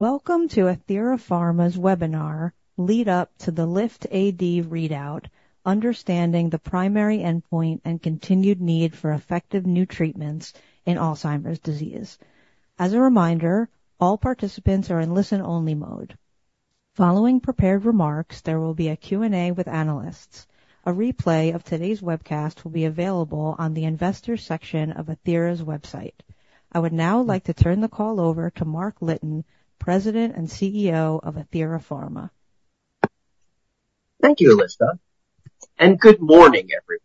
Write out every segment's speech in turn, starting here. Welcome to Athira Pharma's webinar lead-up to the LIFT-AD readout: Understanding the Primary Endpoint and Continued Need for Effective New Treatments in Alzheimer's Disease. As a reminder, all participants are in listen-only mode. Following prepared remarks, there will be a Q&A with analysts. A replay of today's webcast will be available on the Investor section of Athira's website. I would now like to turn the call over to Mark Litton, President and CEO of Athira Pharma. Thank you, Alyssa, and good morning, everyone.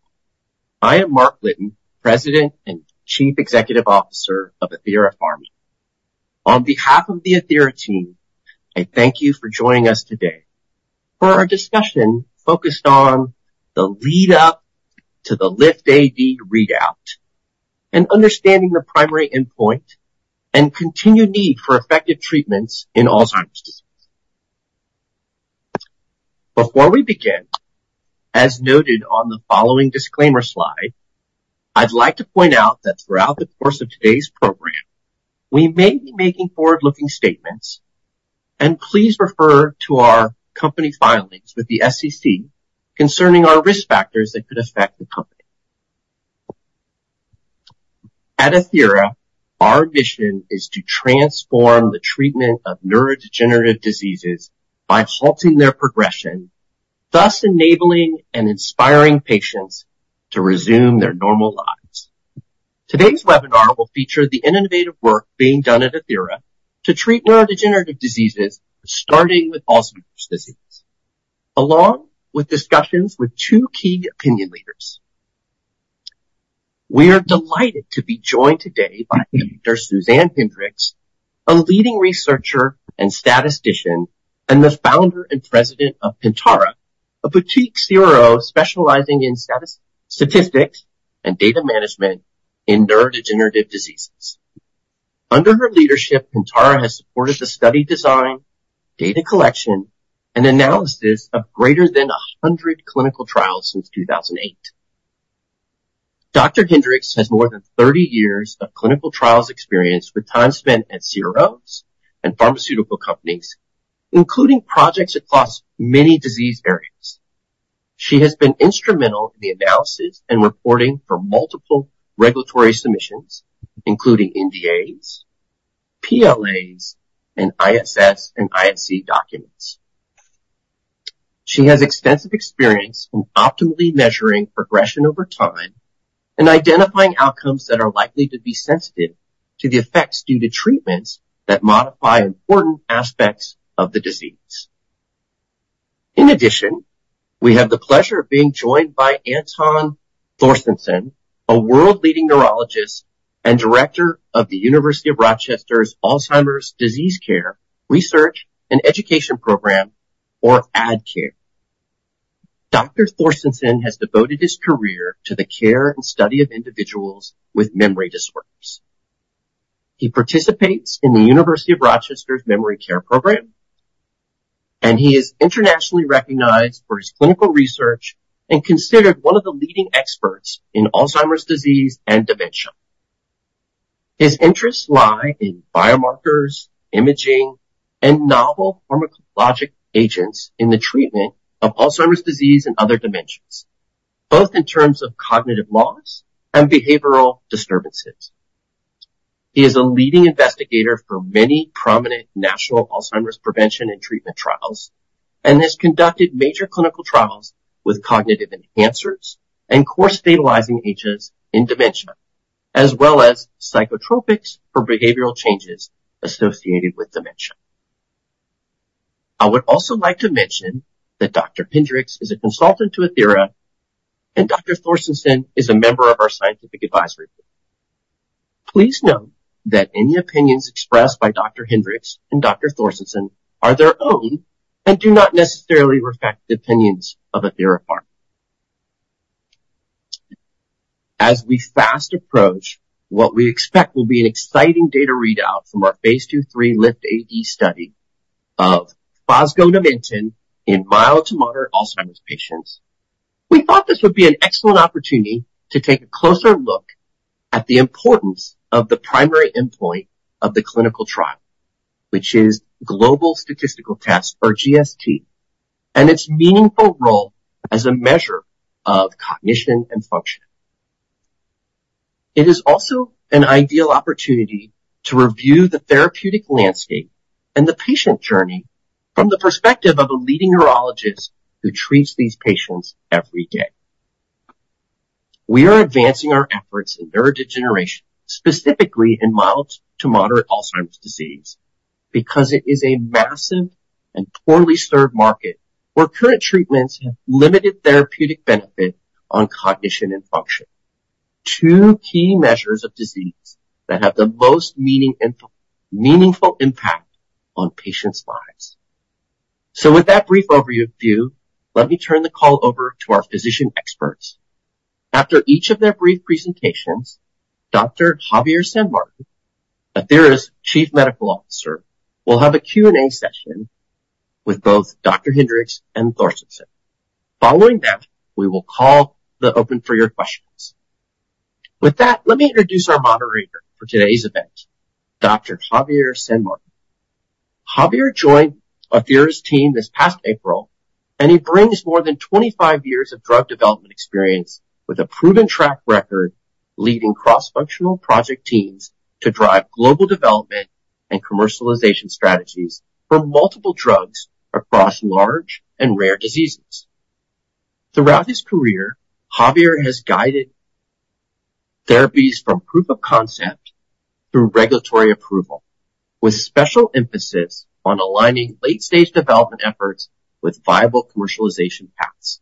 I am Mark Litton, President and Chief Executive Officer of Athira Pharma. On behalf of the Athira team, I thank you for joining us today for our discussion focused on the lead-up to the LIFT-AD readout and understanding the primary endpoint and continued need for effective treatments in Alzheimer's disease. Before we begin, as noted on the following disclaimer slide, I'd like to point out that throughout the course of today's program, we may be making forward-looking statements, and please refer to our company filings with the SEC concerning our risk factors that could affect the company. At Athira, our mission is to transform the treatment of neurodegenerative diseases by halting their progression, thus enabling and inspiring patients to resume their normal lives. Today's webinar will feature the innovative work being done at Athira to treat neurodegenerative diseases, starting with Alzheimer's disease, along with discussions with two key opinion leaders. We are delighted to be joined today by Dr. Suzanne Hendrix, a leading researcher and statistician, and the founder and president of Pentara, a boutique CRO specializing in statistics and data management in neurodegenerative diseases. Under her leadership, Pentara has supported the study design, data collection, and analysis of greater than 100 clinical trials since 2008. Dr. Hendrix has more than 30 years of clinical trials experience with time spent at CROs and pharmaceutical companies, including projects across many disease areas. She has been instrumental in the analysis and reporting for multiple regulatory submissions, including NDAs, PLAs, and ISS and ISC documents. She has extensive experience in optimally measuring progression over time and identifying outcomes that are likely to be sensitive to the effects due to treatments that modify important aspects of the disease. In addition, we have the pleasure of being joined by Anton Porsteinsson, a world-leading neurologist and director of the University of Rochester's Alzheimer's Disease Care, Research and Education Program, or AD-CARE. Dr. Porsteinsson has devoted his career to the care and study of individuals with memory disorders. He participates in the University of Rochester's Memory Care Program, and he is internationally recognized for his clinical research and considered one of the leading experts in Alzheimer's disease and dementia. His interests lie in biomarkers, imaging, and novel pharmacologic agents in the treatment of Alzheimer's disease and other dementias, both in terms of cognitive loss and behavioral disturbances. He is a leading investigator for many prominent national Alzheimer's prevention and treatment trials and has conducted major clinical trials with cognitive enhancers and core stabilizing agents in dementia, as well as psychotropics for behavioral changes associated with dementia. I would also like to mention that Dr. Hendrix is a consultant to Athira, and Dr. Porsteinsson is a member of our scientific advisory group. Please note that any opinions expressed by Dr. Hendrix and Dr. Porsteinsson are their own and do not necessarily reflect the opinions of Athira Pharma. As we fast approach what we expect will be an exciting data readout from our Phase II/III LIFT-AD study of fosgonimeton in mild to moderate Alzheimer's patients, we thought this would be an excellent opportunity to take a closer look at the importance of the primary endpoint of the clinical trial, which is Global Statistical Test, or GST, and its meaningful role as a measure of cognition and function. It is also an ideal opportunity to review the therapeutic landscape and the patient journey from the perspective of a leading neurologist who treats these patients every day. We are advancing our efforts in neurodegeneration, specifically in mild to moderate Alzheimer's disease, because it is a massive and poorly served market where current treatments have limited therapeutic benefit on cognition and function, two key measures of disease that have the most meaningful impact on patients' lives. So, with that brief overview, let me turn the call over to our physician experts. After each of their brief presentations, Dr. Javier San Martin, Athira's chief medical officer, will have a Q&A session with both Dr. Hendrix and Dr. Porsteinsson. Following that, we will call the open for your questions. With that, let me introduce our moderator for today's event, Dr. Javier San Martin. Javier joined Athira's team this past April, and he brings more than 25 years of drug development experience with a proven track record leading cross-functional project teams to drive global development and commercialization strategies for multiple drugs across large and rare diseases. Throughout his career, Javier has guided therapies from proof of concept through regulatory approval, with special emphasis on aligning late-stage development efforts with viable commercialization paths.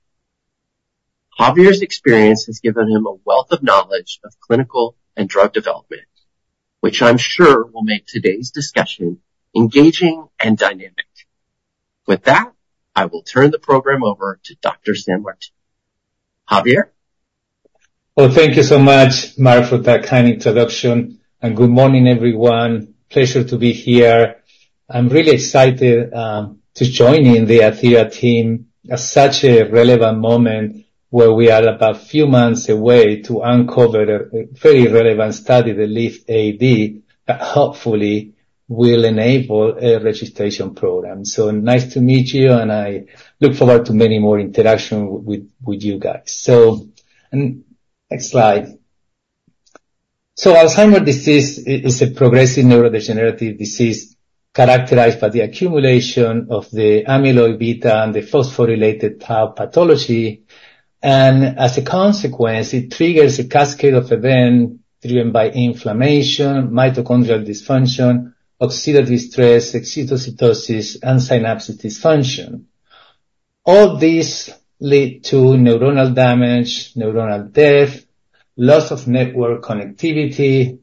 Javier's experience has given him a wealth of knowledge of clinical and drug development, which I'm sure will make today's discussion engaging and dynamic. With that, I will turn the program over to Dr. San Martin. Javier? Well, thank you so much, Mark, for that kind introduction. Good morning, everyone. Pleasure to be here. I'm really excited to join in the Athira team at such a relevant moment where we are about a few months away from uncovering a very relevant study, the LIFT-AD, that hopefully will enable a registration program. Nice to meet you, and I look forward to many more interactions with you guys. Next slide. Alzheimer's disease is a progressive neurodegenerative disease characterized by the accumulation of the amyloid beta and the phosphorylated tau pathology. As a consequence, it triggers a cascade of events driven by inflammation, mitochondrial dysfunction, oxidative stress, excessive astrocytosis, and synaptic dysfunction. All these lead to neuronal damage, neuronal death, loss of network connectivity,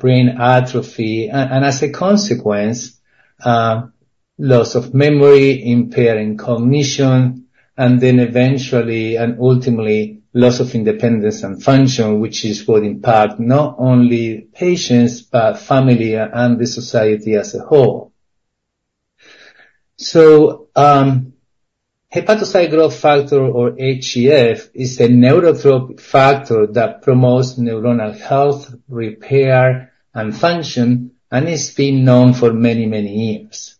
brain atrophy, and as a consequence, loss of memory, impairing cognition, and then eventually, and ultimately, loss of independence and function, which is what impacts not only patients but family and the society as a whole. So, hepatocyte growth factor, or HGF, is a neurotrophic factor that promotes neuronal health, repair, and function, and it's been known for many, many years.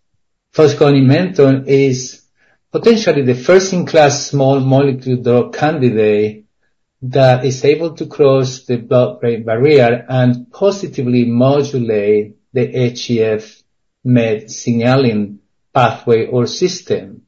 Fosgonimeton is potentially the first-in-class small-molecule drug candidate that is able to cross the blood-brain barrier and positively modulate the HGF/MET signaling pathway or system.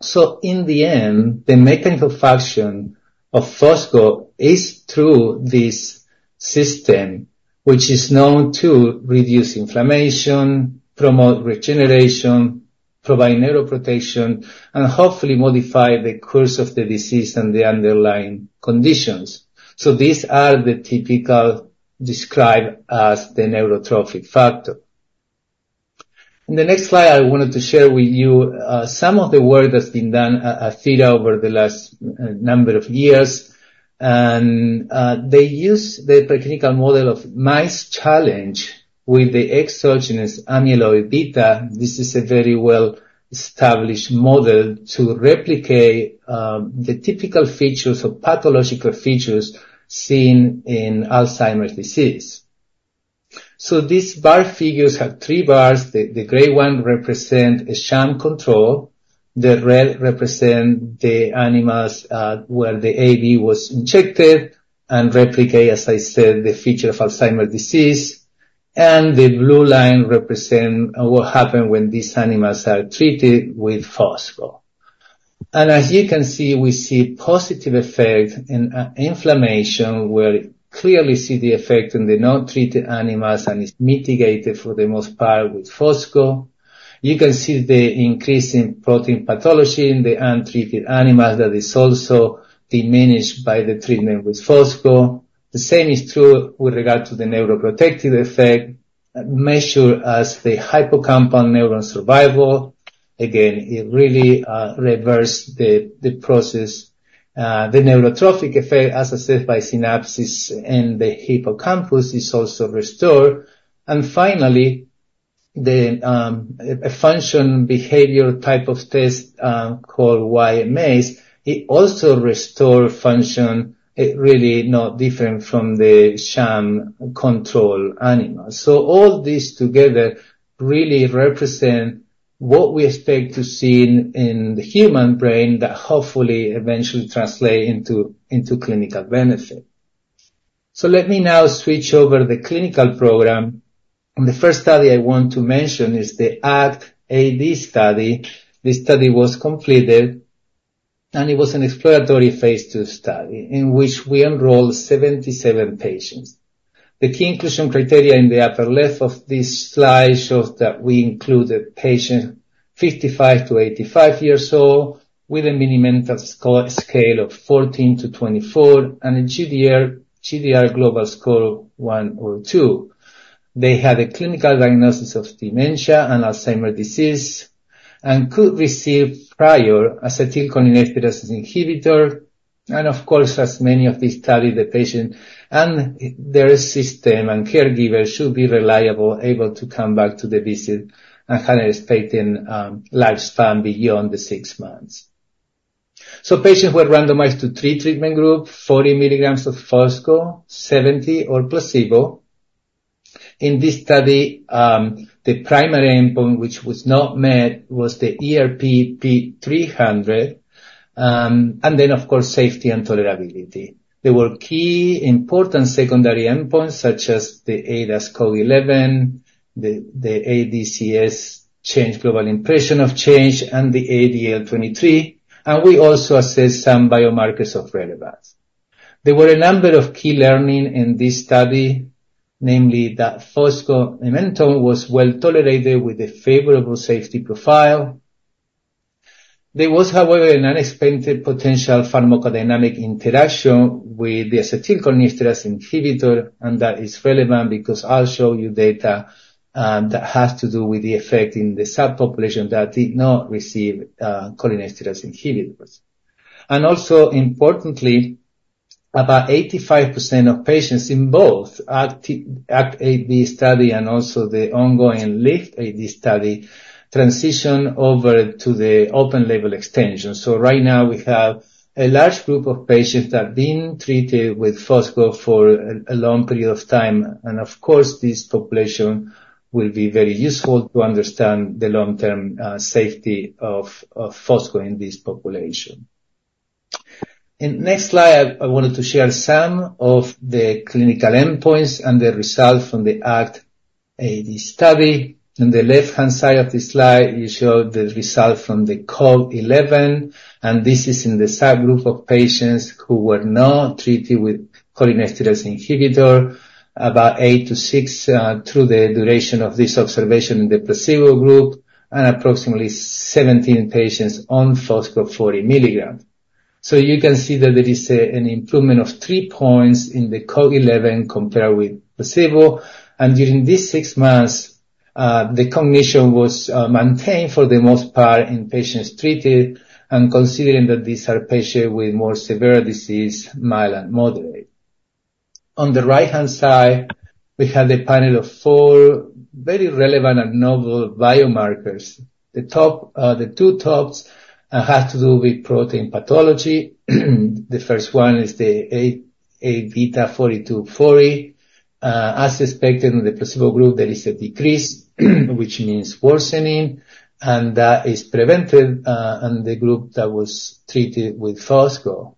So, in the end, the mechanical function of fosgonimeton is through this system, which is known to reduce inflammation, promote regeneration, provide neuroprotection, and hopefully modify the course of the disease and the underlying conditions. So, these are typically described as the neurotrophic factor. In the next slide, I wanted to share with you some of the work that's been done at Athira over the last number of years. They use the preclinical model of mice challenged with the exogenous amyloid beta. This is a very well-established model to replicate the typical features of pathological features seen in Alzheimer's disease. These bar figures have three bars. The gray one represents a sham control. The red represents the animals where the AB was injected and replicates, as I said, the feature of Alzheimer's disease. The blue line represents what happened when these animals are treated with fosgonimeton. As you can see, we see positive effects in inflammation, where we clearly see the effect in the non-treated animals, and it's mitigated for the most part with fosgonimeton. You can see the increase in protein pathology in the untreated animals that is also diminished by the treatment with fosgonimeton. The same is true with regard to the neuroprotective effect, measured as the hippocampal neuron survival. Again, it really reversed the process. The neurotrophic effect, as I said, by synapses in the hippocampus, is also restored. And finally, a function behavior type of test called Y-maze, it also restores function, really not different from the sham control animals. So, all these together really represent what we expect to see in the human brain that hopefully eventually translates into clinical benefit. So, let me now switch over to the clinical program. The first study I want to mention is the ACT-AD study. This study was completed, and it was an exploratory phase II study in which we enrolled 77 patients. The key inclusion criteria in the upper left of this slide show that we include patients 55-85 years old with a Mini-Mental State Examination of 14-24 and a CDR Global Score of 1 or 2. They had a clinical diagnosis of dementia and Alzheimer's disease and could receive prior cholinesterase inhibitor. And of course, as many of these studies, the patient and their physician and caregiver should be reliable, able to come back to the visit and have an expected lifespan beyond the 6 months. So, patients were randomized to three treatment groups: 40 milligrams of Fosgo, 70 or placebo. In this study, the primary endpoint which was not met was the iADRS, and then, of course, safety and tolerability. There were key important secondary endpoints such as the ADAS-Cog11, the ADCS Clinical Global Impression of Change, and the ADL-23. We also assessed some biomarkers of relevance. There were a number of key learnings in this study, namely that fosgonimeton was well tolerated with a favorable safety profile. There was, however, an unexpected potential pharmacodynamic interaction with the acetylcholinesterase inhibitor, and that is relevant because I'll show you data that has to do with the effect in the subpopulation that did not receive cholinesterase inhibitors. Also, importantly, about 85% of patients in both ACT-AD study and also the ongoing LIFT-AD study transitioned over to the open-label extension. Right now, we have a large group of patients that have been treated with fosgonimeton for a long period of time. Of course, this population will be very useful to understand the long-term safety of fosgonimeton in this population. In the next slide, I wanted to share some of the clinical endpoints and the results from the ACT-AD study. On the left-hand side of this slide, you show the result from the ADAS-Cog11, and this is in the subgroup of patients who were not treated with cholinesterase inhibitor, about 8 to 6 through the duration of this observation in the placebo group, and approximately 17 patients on fosgonimeton 40 milligrams. So, you can see that there is an improvement of 3 points in the Cog11 compared with placebo. And during these six months, the cognition was maintained for the most part in patients treated, considering that these are patients with more severe disease, mild and moderate. On the right-hand side, we have the panel of four very relevant and novel biomarkers. The two tops have to do with protein pathology. The first one is the A beta 42/40. As expected in the placebo group, there is a decrease, which means worsening, and that is prevented in the group that was treated with fosgonimeton.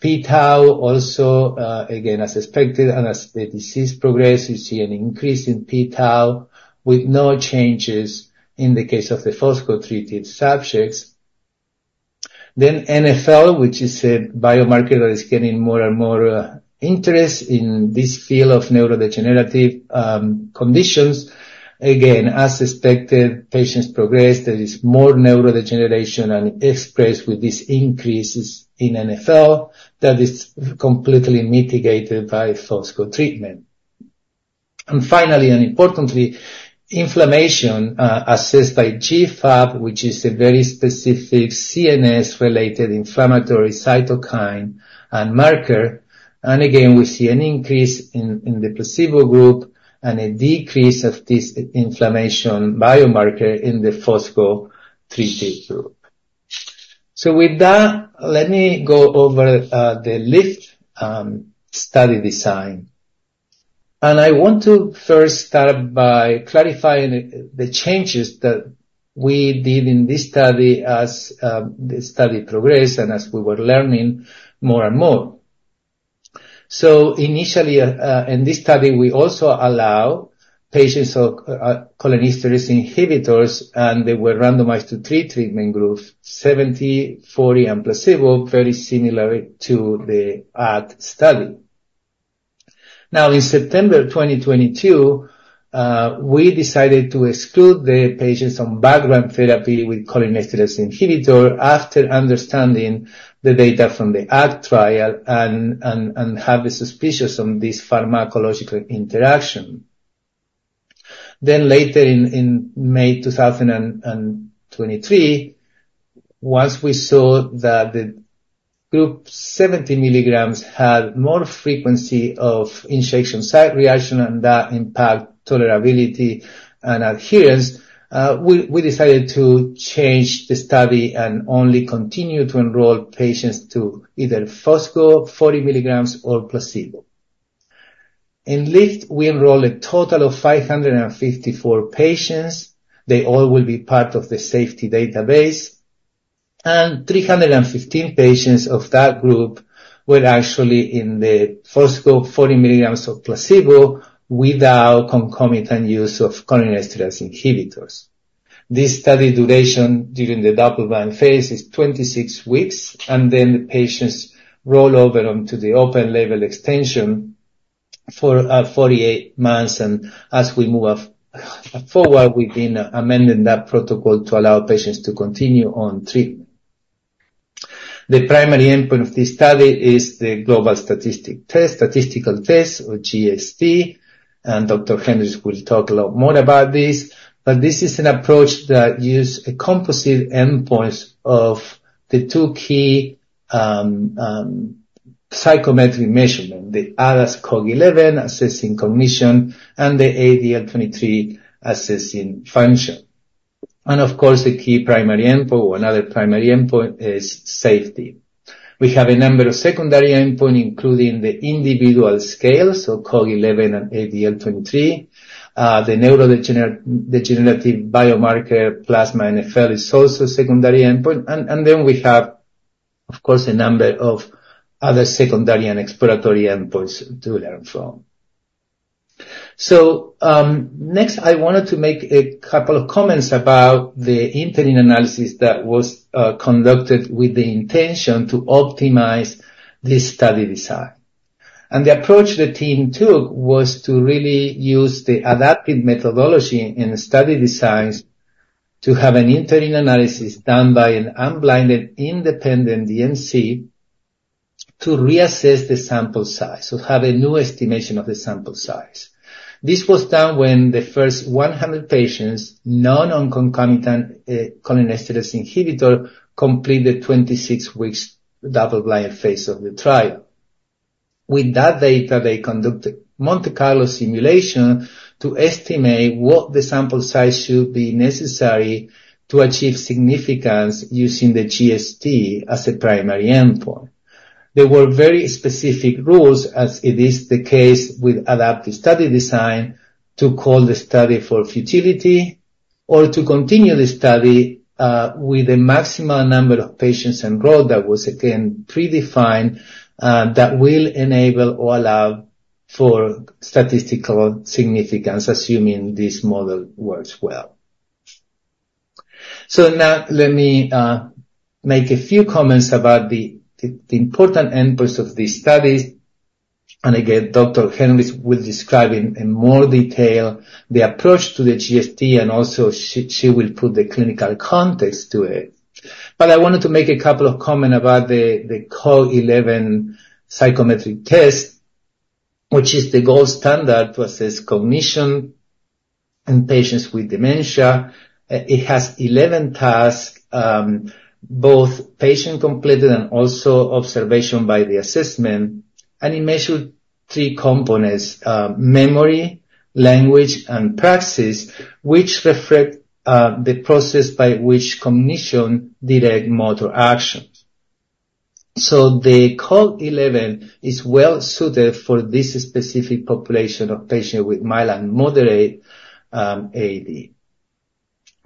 P-tau also, again, as expected, and as the disease progressed, you see an increase in P-tau with no changes in the case of the fosgonimeton-treated subjects. Then NfL, which is a biomarker that is getting more and more interest in this field of neurodegenerative conditions. Again, as expected, patients progressed. There is more neurodegeneration expressed with these increases in NfL that is completely mitigated by fosgonimeton treatment. And finally, and importantly, inflammation assessed by GFAP, which is a very specific CNS-related inflammatory cytokine and marker. And again, we see an increase in the placebo group and a decrease of this inflammation biomarker in the fosgonimeton-treated group. So, with that, let me go over the LIFT study design. I want to first start by clarifying the changes that we did in this study as the study progressed and as we were learning more and more. Initially, in this study, we also allowed patients cholinesterase inhibitors, and they were randomized to three treatment groups: 70, 40, and placebo, very similar to the ACT-AD study. Now, in September 2022, we decided to exclude the patients on background therapy with cholinesterase inhibitor after understanding the data from the ACT-AD trial and had the suspicion on this pharmacological interaction. Then, later in May 2023, once we saw that the group 70 milligrams had more frequency of injection site reaction and that impacted tolerability and adherence, we decided to change the study and only continue to enroll patients to either fosgonimeton 40 milligrams or placebo. In LIFT, we enrolled a total of 554 patients. They all will be part of the safety database. 315 patients of that group were actually in the fosgonimeton 40 milligrams or placebo without concomitant use of cholinesterase inhibitors. This study duration during the double-blind phase is 26 weeks, and then the patients roll over onto the open label extension for 48 months. As we move forward, we've been amending that protocol to allow patients to continue on treatment. The primary endpoint of this study is the global statistical test or GST, and Dr. Hendrix will talk a lot more about this. But this is an approach that uses composite endpoints of the two key psychometric measurements: the ADAS-Cog11 assessing cognition and the ADL-23 assessing function. Of course, the key primary endpoint, or another primary endpoint, is safety. We have a number of secondary endpoints, including the individual scales, so Cog11 and ADL-23. The neurodegenerative biomarker plasma NfL is also a secondary endpoint. Then we have, of course, a number of other secondary and exploratory endpoints to learn from. Next, I wanted to make a couple of comments about the interim analysis that was conducted with the intention to optimize this study design. The approach the team took was to really use the adaptive methodology in study designs to have an interim analysis done by an unblinded independent DMC to reassess the sample size, so have a new estimation of the sample size. This was done when the first 100 patients not on concomitant cholinesterase inhibitor completed 26 weeks double-blind phase of the trial. With that data, they conducted Monte Carlo simulation to estimate what the sample size should be necessary to achieve significance using the GST as a primary endpoint. There were very specific rules, as it is the case with adaptive study design, to call the study for futility or to continue the study with a maximum number of patients enrolled that was, again, predefined that will enable or allow for statistical significance, assuming this model works well. So now, let me make a few comments about the important endpoints of these studies. Again, Dr. Hendrix will describe in more detail the approach to the GST, and also she will put the clinical context to it. But I wanted to make a couple of comments about the ADAS-Cog11 psychometric test, which is the gold standard to assess cognition in patients with dementia. It has 11 tasks, both patient-completed and also observation by the assessment. It measures three components: memory, language, and praxis, which reflect the process by which cognition directs motor action. So the ADAS-Cog11 is well suited for this specific population of patients with mild and moderate AD.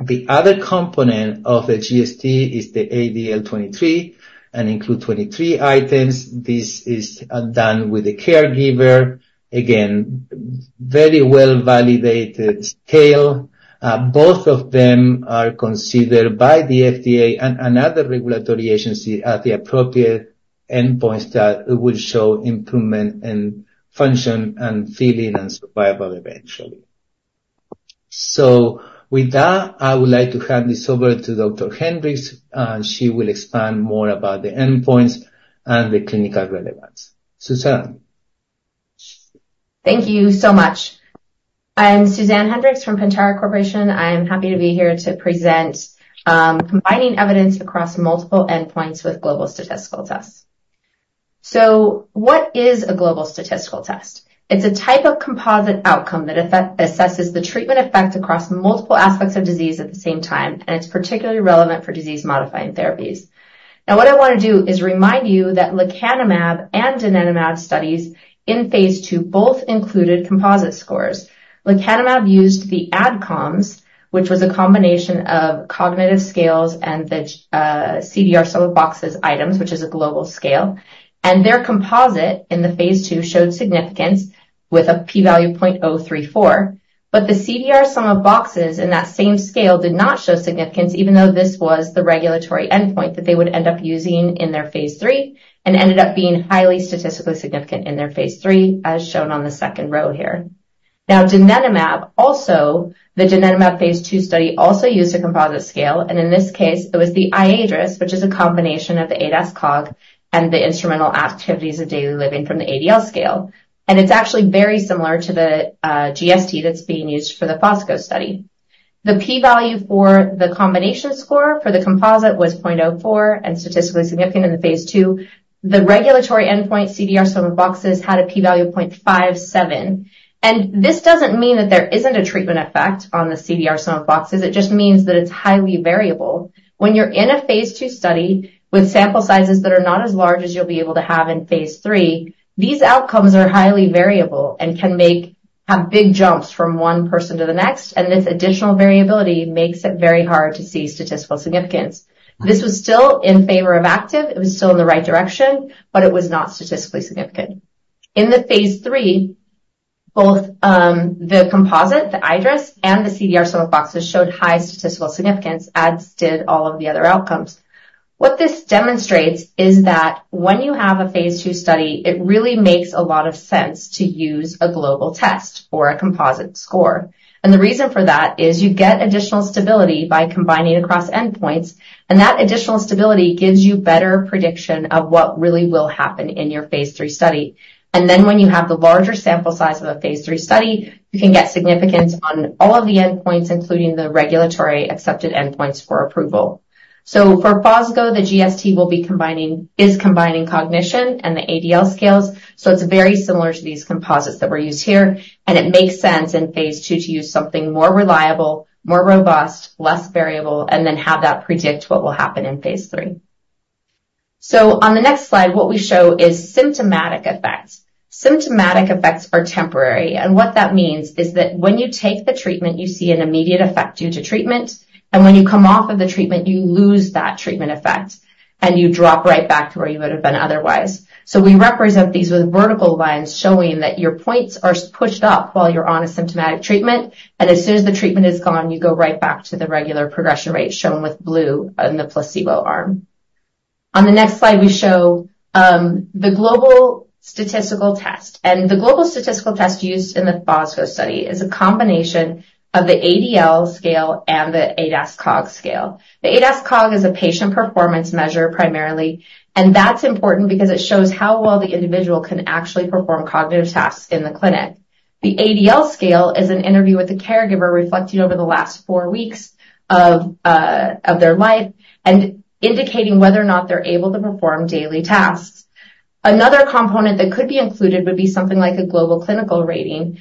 The other component of the GST is the ADL-23 and includes 23 items. This is done with the caregiver. Again, very well-validated scale. Both of them are considered by the FDA and other regulatory agencies at the appropriate endpoints that will show improvement in function and feeling and survival eventually. So with that, I would like to hand this over to Dr. Hendrix. She will expand more about the endpoints and the clinical relevance. Suzanne. Thank you so much. I'm Suzanne Hendrix from Pentara Corporation. I'm happy to be here to present combining evidence across multiple endpoints with global statistical tests. So what is a global statistical test? It's a type of composite outcome that assesses the treatment effect across multiple aspects of disease at the same time, and it's particularly relevant for disease-modifying therapies. Now, what I want to do is remind you that lecanemab and donanemab studies in phase II both included composite scores. Lecanemab used the ADCOMS, which was a combination of cognitive scales and the CDR sum of boxes items, which is a global scale. And their composite in the phase II showed significance with a p-value 0.034. But the CDR sum of boxes in that same scale did not show significance, even though this was the regulatory endpoint that they would end up using in their phase III and ended up being highly statistically significant in their phase III, as shown on the second row here. Now, donanemab, also the donanemab phase II study, also used a composite scale. In this case, it was the iADRS, which is a combination of the ADAS-Cog and the instrumental activities of daily living from the ADL scale. It's actually very similar to the GST that's being used for the Fosgo study. The p-value for the combination score for the composite was 0.04 and statistically significant in the phase II. The regulatory endpoint, CDR sum of boxes, had a p-value of 0.57. This doesn't mean that there isn't a treatment effect on the CDR sum of boxes. It just means that it's highly variable. When you're in a phase II study with sample sizes that are not as large as you'll be able to have in phase III, these outcomes are highly variable and can have big jumps from one person to the next. This additional variability makes it very hard to see statistical significance. This was still in favor of active. It was still in the right direction, but it was not statistically significant. In the phase III, both the composite, the iADRS, and the CDR sum of boxes showed high statistical significance, as did all of the other outcomes. What this demonstrates is that when you have a phase II study, it really makes a lot of sense to use a global test or a composite score. The reason for that is you get additional stability by combining across endpoints. That additional stability gives you better prediction of what really will happen in your phase III study. Then when you have the larger sample size of a phase III study, you can get significance on all of the endpoints, including the regulatory accepted endpoints for approval. For fosgonimeton, the GST is combining cognition and the ADL scales. So it's very similar to these composites that were used here. And it makes sense in phase II to use something more reliable, more robust, less variable, and then have that predict what will happen in phase III. So on the next slide, what we show is symptomatic effects. Symptomatic effects are temporary. And what that means is that when you take the treatment, you see an immediate effect due to treatment. And when you come off of the treatment, you lose that treatment effect, and you drop right back to where you would have been otherwise. So we represent these with vertical lines showing that your points are pushed up while you're on a symptomatic treatment. And as soon as the treatment is gone, you go right back to the regular progression rate shown with blue in the placebo arm. On the next slide, we show the global statistical test. The global statistical test used in the fosgonimeton study is a combination of the ADL scale and the ADAS-COG scale. The ADAS-COG is a patient performance measure primarily. That's important because it shows how well the individual can actually perform cognitive tasks in the clinic. The ADL scale is an interview with the caregiver reflecting over the last four weeks of their life and indicating whether or not they're able to perform daily tasks. Another component that could be included would be something like a global clinical rating.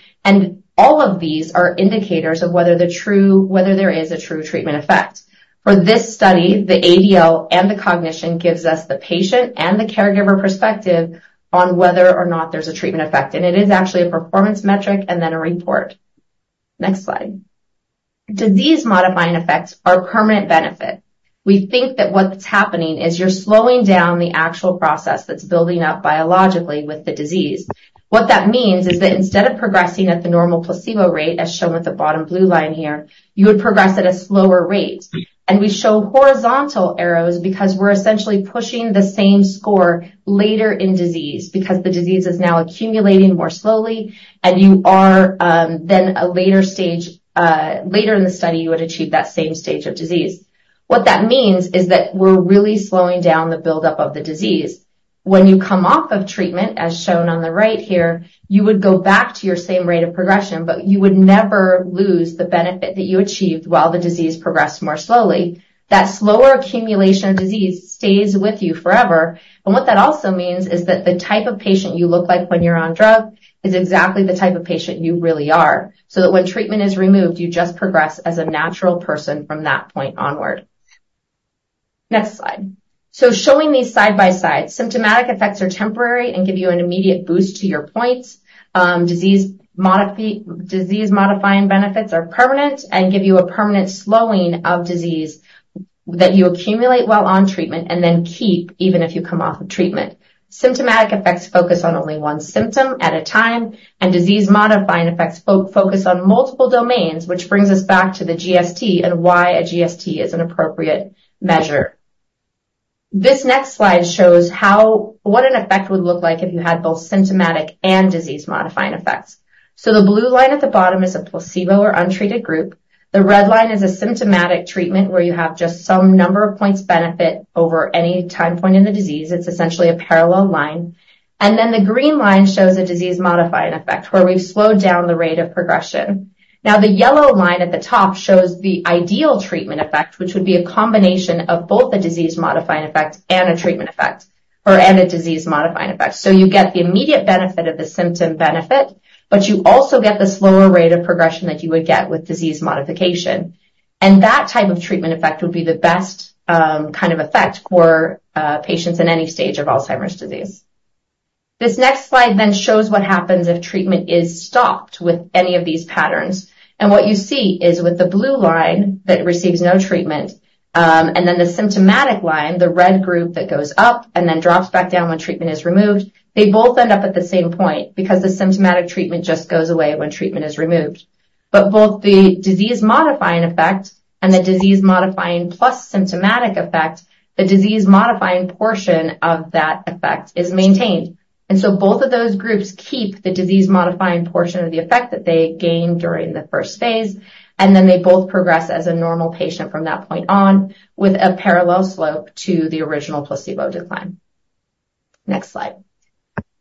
All of these are indicators of whether there is a true treatment effect. For this study, the ADL and the cognition gives us the patient and the caregiver perspective on whether or not there's a treatment effect. It is actually a performance metric and then a report. Next slide. Disease-modifying effects are permanent benefit. We think that what's happening is you're slowing down the actual process that's building up biologically with the disease. What that means is that instead of progressing at the normal placebo rate, as shown with the bottom blue line here, you would progress at a slower rate. We show horizontal arrows because we're essentially pushing the same score later in disease because the disease is now accumulating more slowly. You are then a later stage later in the study. You would achieve that same stage of disease. What that means is that we're really slowing down the buildup of the disease. When you come off of treatment, as shown on the right here, you would go back to your same rate of progression, but you would never lose the benefit that you achieved while the disease progressed more slowly. That slower accumulation of disease stays with you forever. And what that also means is that the type of patient you look like when you're on drug is exactly the type of patient you really are, so that when treatment is removed, you just progress as a natural person from that point onward. Next slide. Showing these side by side, symptomatic effects are temporary and give you an immediate boost to your points. Disease-modifying benefits are permanent and give you a permanent slowing of disease that you accumulate while on treatment and then keep even if you come off of treatment. Symptomatic effects focus on only one symptom at a time, and disease-modifying effects focus on multiple domains, which brings us back to the GST and why a GST is an appropriate measure. This next slide shows what an effect would look like if you had both symptomatic and disease-modifying effects. So the blue line at the bottom is a placebo or untreated group. The red line is a symptomatic treatment where you have just some number of points benefit over any time point in the disease. It's essentially a parallel line. And then the green line shows a disease-modifying effect where we've slowed down the rate of progression. Now, the yellow line at the top shows the ideal treatment effect, which would be a combination of both a disease-modifying effect and a treatment effect or and a disease-modifying effect. So you get the immediate benefit of the symptom benefit, but you also get the slower rate of progression that you would get with disease modification. That type of treatment effect would be the best kind of effect for patients in any stage of Alzheimer's disease. This next slide then shows what happens if treatment is stopped with any of these patterns. What you see is with the blue line that receives no treatment and then the symptomatic line, the red group that goes up and then drops back down when treatment is removed, they both end up at the same point because the symptomatic treatment just goes away when treatment is removed. But both the disease-modifying effect and the disease-modifying plus symptomatic effect, the disease-modifying portion of that effect is maintained. So both of those groups keep the disease-modifying portion of the effect that they gained during the first phase. Then they both progress as a normal patient from that point on with a parallel slope to the original placebo decline. Next slide.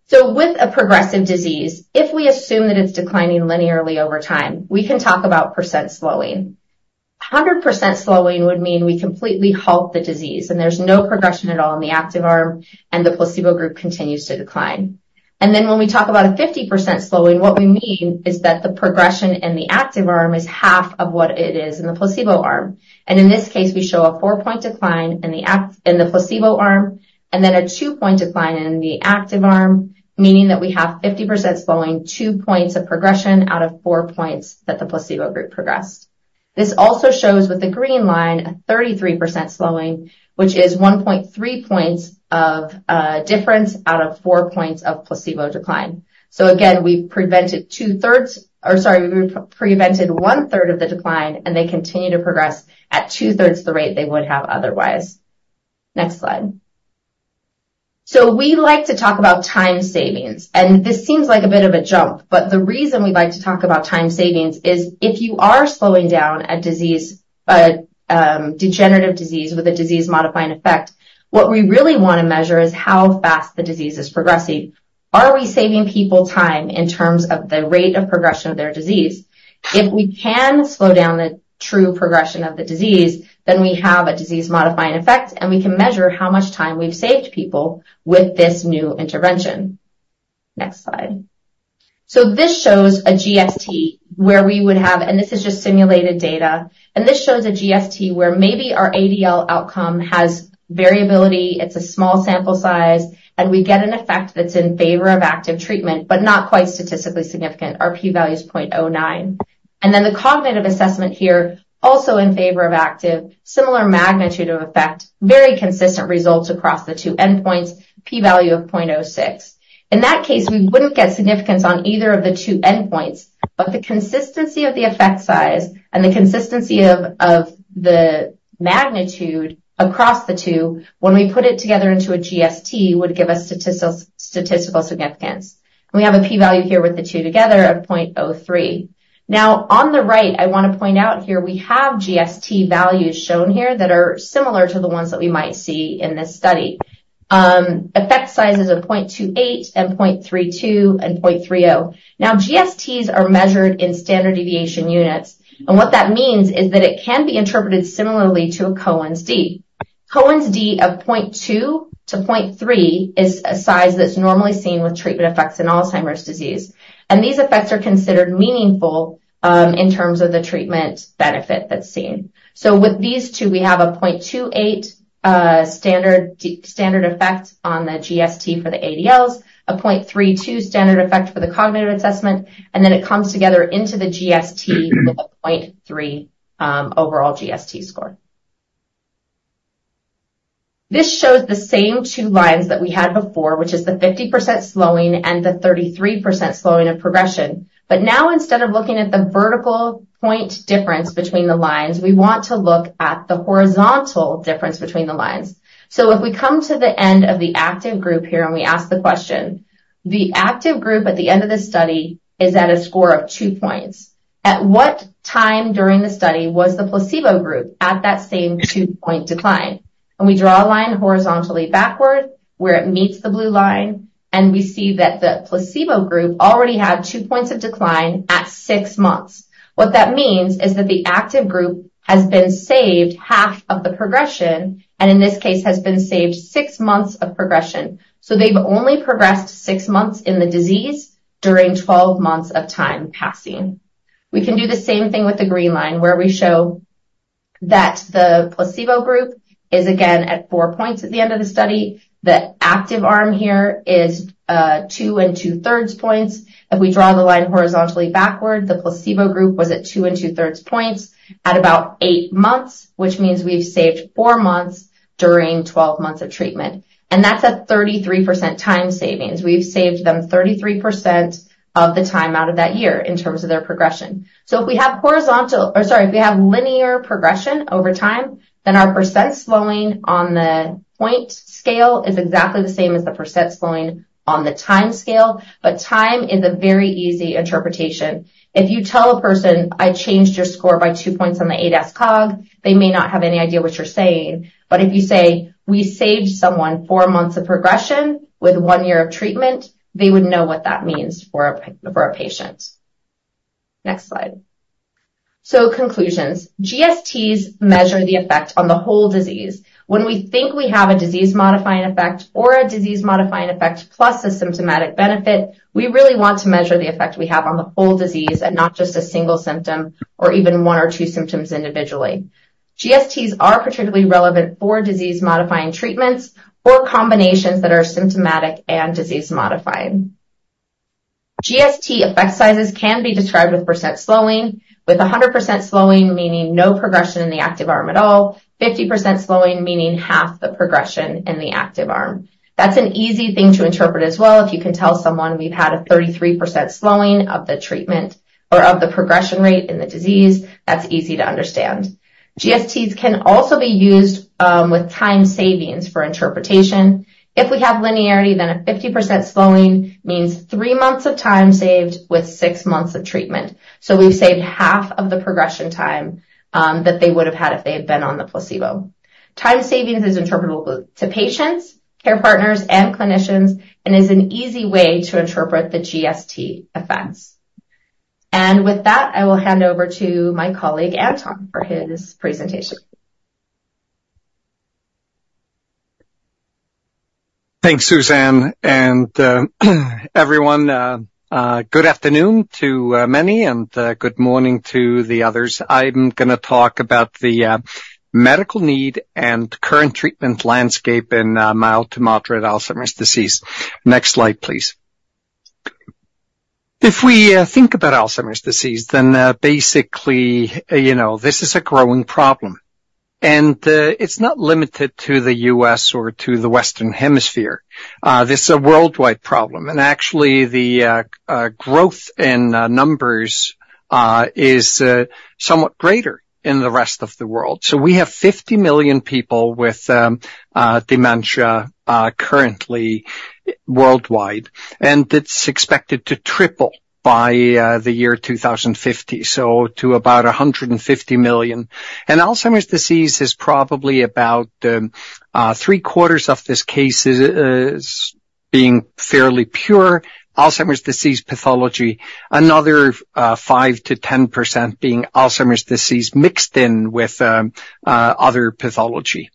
So with a progressive disease, if we assume that it's declining linearly over time, we can talk about % slowing. 100% slowing would mean we completely halt the disease, and there's no progression at all in the active arm, and the placebo group continues to decline. And then when we talk about a 50% slowing, what we mean is that the progression in the active arm is half of what it is in the placebo arm. And in this case, we show a 4-point decline in the placebo arm and then a 2-point decline in the active arm, meaning that we have 50% slowing, 2 points of progression out of 4 points that the placebo group progressed. This also shows with the green line a 33% slowing, which is 1.3 points of difference out of 4 points of placebo decline. So again, we prevented 2/3 or sorry, we prevented 1/3 of the decline, and they continue to progress at 2/3 the rate they would have otherwise. Next slide. So we like to talk about time savings. And this seems like a bit of a jump, but the reason we like to talk about time savings is if you are slowing down a degenerative disease with a disease-modifying effect, what we really want to measure is how fast the disease is progressing. Are we saving people time in terms of the rate of progression of their disease? If we can slow down the true progression of the disease, then we have a disease-modifying effect, and we can measure how much time we've saved people with this new intervention. Next slide. So this shows a GST where we would have—and this is just simulated data—and this shows a GST where maybe our ADL outcome has variability. It's a small sample size, and we get an effect that's in favor of active treatment, but not quite statistically significant. Our p-value is 0.09. And then the cognitive assessment here, also in favor of active, similar magnitude of effect, very consistent results across the two endpoints, p-value of 0.06. In that case, we wouldn't get significance on either of the two endpoints, but the consistency of the effect size and the consistency of the magnitude across the two, when we put it together into a GST, would give us statistical significance. And we have a p-value here with the two together of 0.03. Now, on the right, I want to point out here we have GST values shown here that are similar to the ones that we might see in this study. Effect size is 0.28 and 0.32 and 0.30. Now, GSTs are measured in standard deviation units. And what that means is that it can be interpreted similarly to a Cohen's D. Cohen's D of 0.2-0.3 is a size that's normally seen with treatment effects in Alzheimer's disease. And these effects are considered meaningful in terms of the treatment benefit that's seen. So with these two, we have a 0.28 standard effect on the GST for the ADLs, a 0.32 standard effect for the cognitive assessment, and then it comes together into the GST with a 0.3 overall GST score. This shows the same two lines that we had before, which is the 50% slowing and the 33% slowing of progression. But now, instead of looking at the vertical point difference between the lines, we want to look at the horizontal difference between the lines. So if we come to the end of the active group here and we ask the question, the active group at the end of this study is at a score of two points. At what time during the study was the placebo group at that same two-point decline? And we draw a line horizontally backward where it meets the blue line, and we see that the placebo group already had two points of decline at six months. What that means is that the active group has been saved half of the progression, and in this case, has been saved six months of progression. They've only progressed six months in the disease during 12 months of time passing. We can do the same thing with the green line where we show that the placebo group is again at four points at the end of the study. The active arm here is two and two-thirds points. If we draw the line horizontally backward, the placebo group was at two and two-thirds points at about eight months, which means we've saved four months during 12 months of treatment. That's a 33% time savings. We've saved them 33% of the time out of that year in terms of their progression. If we have horizontal—or sorry, if we have linear progression over time, then our percent slowing on the point scale is exactly the same as the percent slowing on the time scale. Time is a very easy interpretation. If you tell a person, "I changed your score by 2 points on the ADAS-Cog," they may not have any idea what you're saying. But if you say, "We saved someone 4 months of progression with 1 year of treatment," they would know what that means for a patient. Next slide. So conclusions. GSTs measure the effect on the whole disease. When we think we have a disease-modifying effect or a disease-modifying effect plus a symptomatic benefit, we really want to measure the effect we have on the whole disease and not just a single symptom or even 1 or 2 symptoms individually. GSTs are particularly relevant for disease-modifying treatments or combinations that are symptomatic and disease-modifying. GST effect sizes can be described with % slowing, with 100% slowing meaning no progression in the active arm at all, 50% slowing meaning half the progression in the active arm. That's an easy thing to interpret as well. If you can tell someone we've had a 33% slowing of the treatment or of the progression rate in the disease, that's easy to understand. GSTs can also be used with time savings for interpretation. If we have linearity, then a 50% slowing means 3 months of time saved with 6 months of treatment. So we've saved half of the progression time that they would have had if they had been on the placebo. Time savings is interpretable to patients, care partners, and clinicians, and is an easy way to interpret the GST effects. And with that, I will hand over to my colleague, Anton, for his presentation. Thanks, Suzanne. And everyone, good afternoon to many and good morning to the others. I'm going to talk about the medical need and current treatment landscape in mild to moderate Alzheimer's disease. Next slide, please. If we think about Alzheimer's disease, then basically, this is a growing problem. It's not limited to the U.S. or to the Western Hemisphere. This is a worldwide problem. Actually, the growth in numbers is somewhat greater in the rest of the world. We have 50 million people with dementia currently worldwide, and it's expected to triple by the year 2050, so to about 150 million. Alzheimer's disease is probably about three-quarters of this case being fairly pure Alzheimer's disease pathology, another 5%-10% being Alzheimer's disease mixed in with other pathology.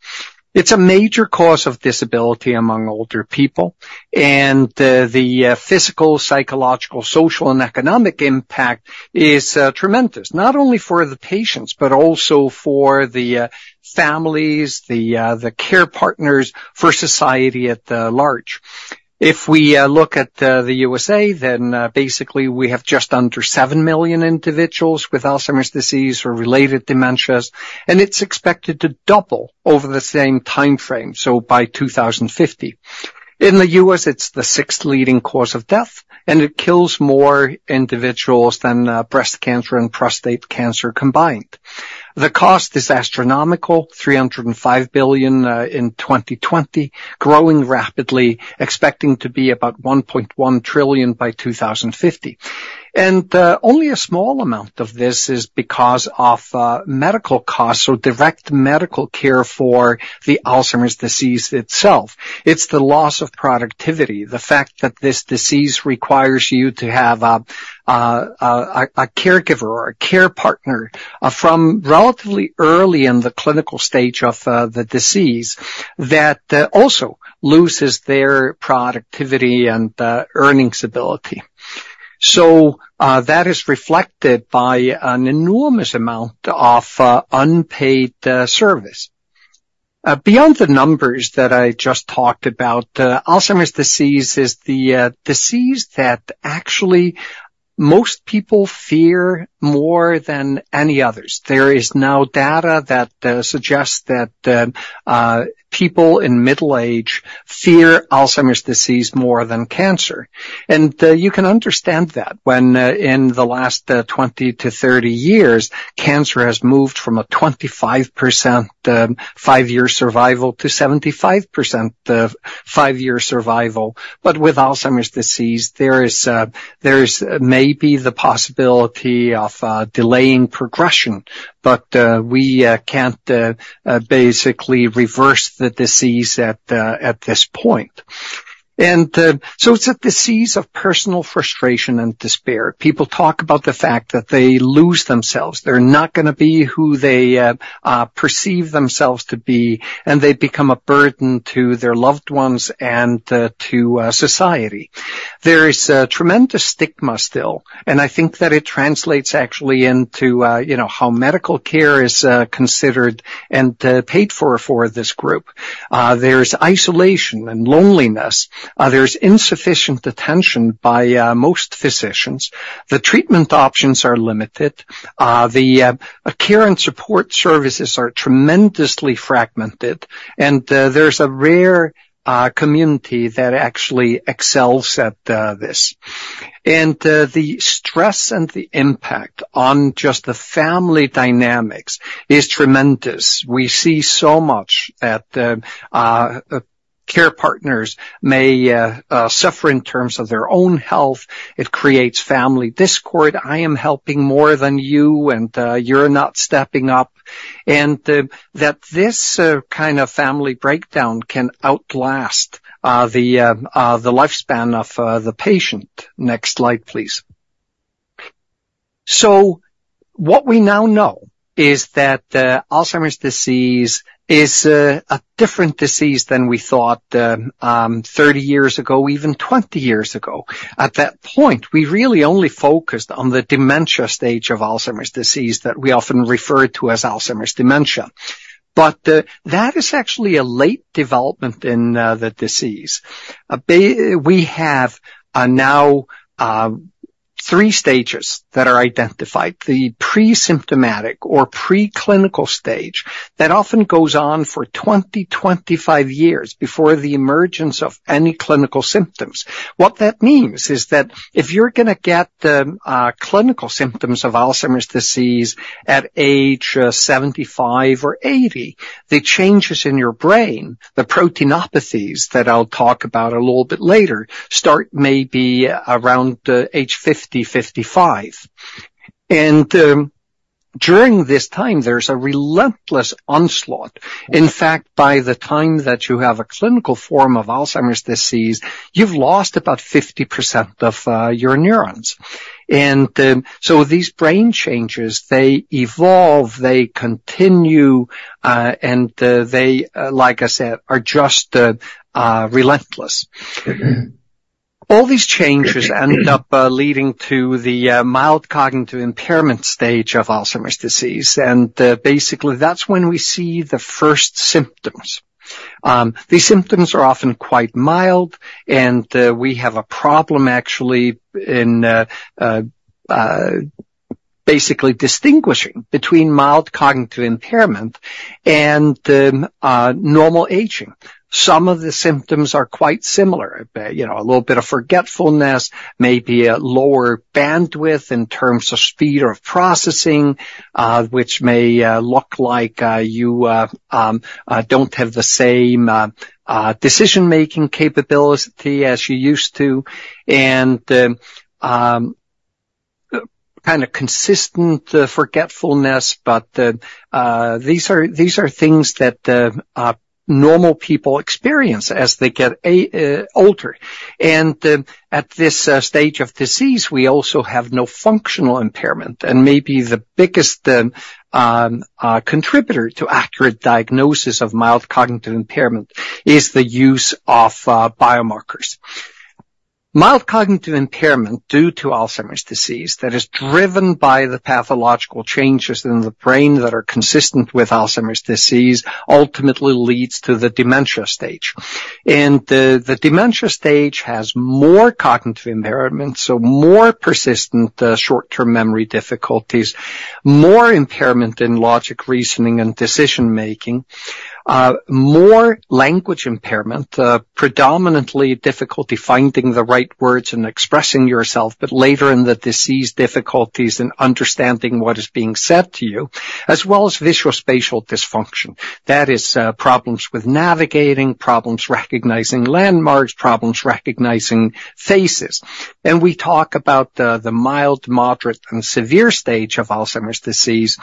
It's a major cause of disability among older people, and the physical, psychological, social, and economic impact is tremendous, not only for the patients, but also for the families, the care partners, for society at large. If we look at the USA, then basically, we have just under 7 million individuals with Alzheimer's disease or related dementias, and it's expected to double over the same timeframe, so by 2050. In the US, it's the sixth leading cause of death, and it kills more individuals than breast cancer and prostate cancer combined. The cost is astronomical, $305 billion in 2020, growing rapidly, expecting to be about $1.1 trillion by 2050. Only a small amount of this is because of medical costs or direct medical care for the Alzheimer's disease itself. It's the loss of productivity, the fact that this disease requires you to have a caregiver or a care partner from relatively early in the clinical stage of the disease that also loses their productivity and earnings ability. That is reflected by an enormous amount of unpaid service. Beyond the numbers that I just talked about, Alzheimer's disease is the disease that actually most people fear more than any others. There is now data that suggests that people in middle age fear Alzheimer's disease more than cancer. You can understand that when in the last 20-30 years, cancer has moved from a 25%-75% five-year survival. But with Alzheimer's disease, there is maybe the possibility of delaying progression, but we can't basically reverse the disease at this point. And so it's a disease of personal frustration and despair. People talk about the fact that they lose themselves. They're not going to be who they perceive themselves to be, and they become a burden to their loved ones and to society. There is tremendous stigma still, and I think that it translates actually into how medical care is considered and paid for this group. There's isolation and loneliness. There's insufficient attention by most physicians. The treatment options are limited. The care and support services are tremendously fragmented, and there's a rare community that actually excels at this. The stress and the impact on just the family dynamics is tremendous. We see so much that care partners may suffer in terms of their own health. It creates family discord. I am helping more than you, and you're not stepping up. That this kind of family breakdown can outlast the lifespan of the patient. Next slide, please. What we now know is that Alzheimer's disease is a different disease than we thought 30 years ago, even 20 years ago. At that point, we really only focused on the dementia stage of Alzheimer's disease that we often refer to as Alzheimer's dementia. But that is actually a late development in the disease. We have now three stages that are identified: the pre-symptomatic or preclinical stage that often goes on for 20, 25 years before the emergence of any clinical symptoms. What that means is that if you're going to get the clinical symptoms of Alzheimer's disease at age 75 or 80, the changes in your brain, the proteinopathies that I'll talk about a little bit later, start maybe around age 50, 55. And during this time, there's a relentless onslaught. In fact, by the time that you have a clinical form of Alzheimer's disease, you've lost about 50% of your neurons. And so these brain changes, they evolve, they continue, and they, like I said, are just relentless. All these changes end up leading to the mild cognitive impairment stage of Alzheimer's disease. Basically, that's when we see the first symptoms. These symptoms are often quite mild, and we have a problem actually in basically distinguishing between mild cognitive impairment and normal aging. Some of the symptoms are quite similar: a little bit of forgetfulness, maybe a lower bandwidth in terms of speed or processing, which may look like you don't have the same decision-making capability as you used to, and kind of consistent forgetfulness. These are things that normal people experience as they get older. At this stage of disease, we also have no functional impairment. Maybe the biggest contributor to accurate diagnosis of mild cognitive impairment is the use of biomarkers. Mild Cognitive Impairment due to Alzheimer's disease that is driven by the pathological changes in the brain that are consistent with Alzheimer's disease ultimately leads to the dementia stage. The dementia stage has more cognitive impairment, so more persistent short-term memory difficulties, more impairment in logic, reasoning, and decision-making, more language impairment, predominantly difficulty finding the right words and expressing yourself, but later in the disease, difficulties in understanding what is being said to you, as well as visual-spatial dysfunction. That is, problems with navigating, problems recognizing landmarks, problems recognizing faces. We talk about the mild, moderate, and severe stage of Alzheimer's disease.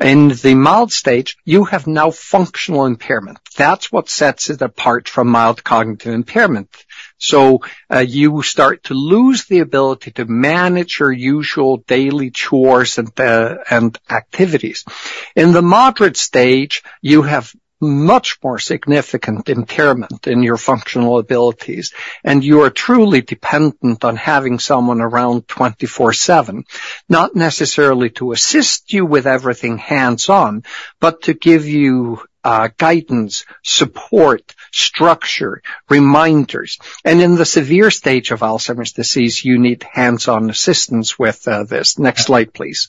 In the mild stage, you have no functional impairment. That's what sets it apart from Mild Cognitive Impairment. So you start to lose the ability to manage your usual daily chores and activities. In the moderate stage, you have much more significant impairment in your functional abilities, and you are truly dependent on having someone around 24/7, not necessarily to assist you with everything hands-on, but to give you guidance, support, structure, reminders. In the severe stage of Alzheimer's disease, you need hands-on assistance with this. Next slide, please.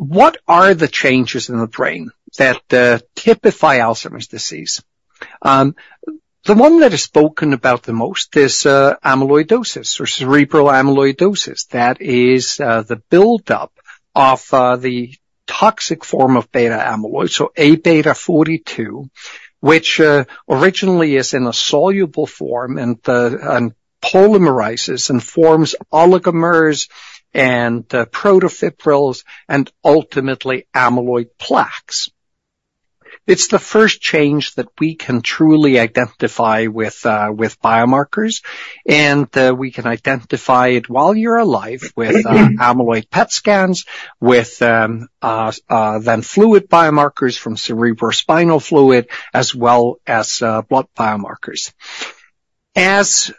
What are the changes in the brain that typify Alzheimer's disease? The one that is spoken about the most is amyloidosis or cerebral amyloidosis. That is the buildup of the toxic form of beta-amyloid, so A beta 42, which originally is in a soluble form and polymerizes and forms oligomers and protofibrils and ultimately amyloid plaques. It's the first change that we can truly identify with biomarkers, and we can identify it while you're alive with amyloid PET scans, with then fluid biomarkers from cerebrospinal fluid, as well as blood biomarkers. As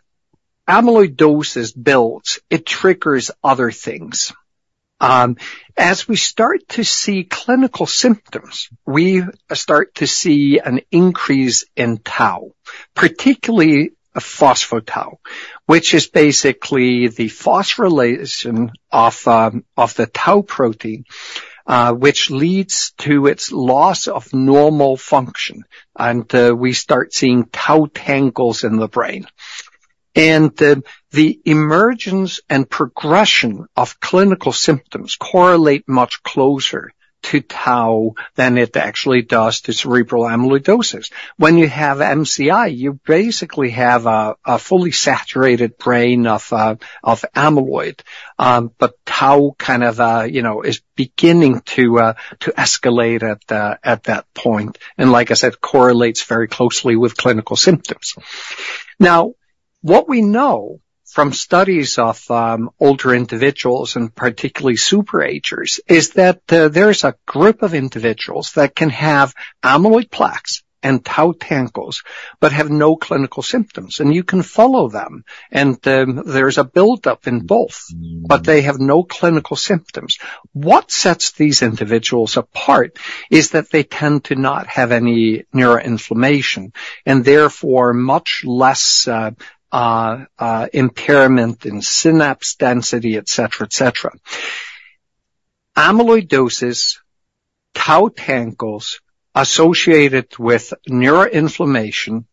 amyloidosis builds, it triggers other things. As we start to see clinical symptoms, we start to see an increase in tau, particularly phospho-tau, which is basically the phosphorylation of the tau protein, which leads to its loss of normal function. We start seeing tau tangles in the brain. The emergence and progression of clinical symptoms correlate much closer to tau than it actually does to cerebral amyloidosis. When you have MCI, you basically have a fully saturated brain of amyloid, but tau kind of is beginning to escalate at that point. Like I said, it correlates very closely with clinical symptoms. Now, what we know from studies of older individuals and particularly superagers is that there is a group of individuals that can have amyloid plaques and tau tangles but have no clinical symptoms. You can follow them, and there is a buildup in both, but they have no clinical symptoms. What sets these individuals apart is that they tend to not have any neuroinflammation and therefore much less impairment in synapse density, etc., etc. Amyloidosis, tau tangles associated with neuroinflammation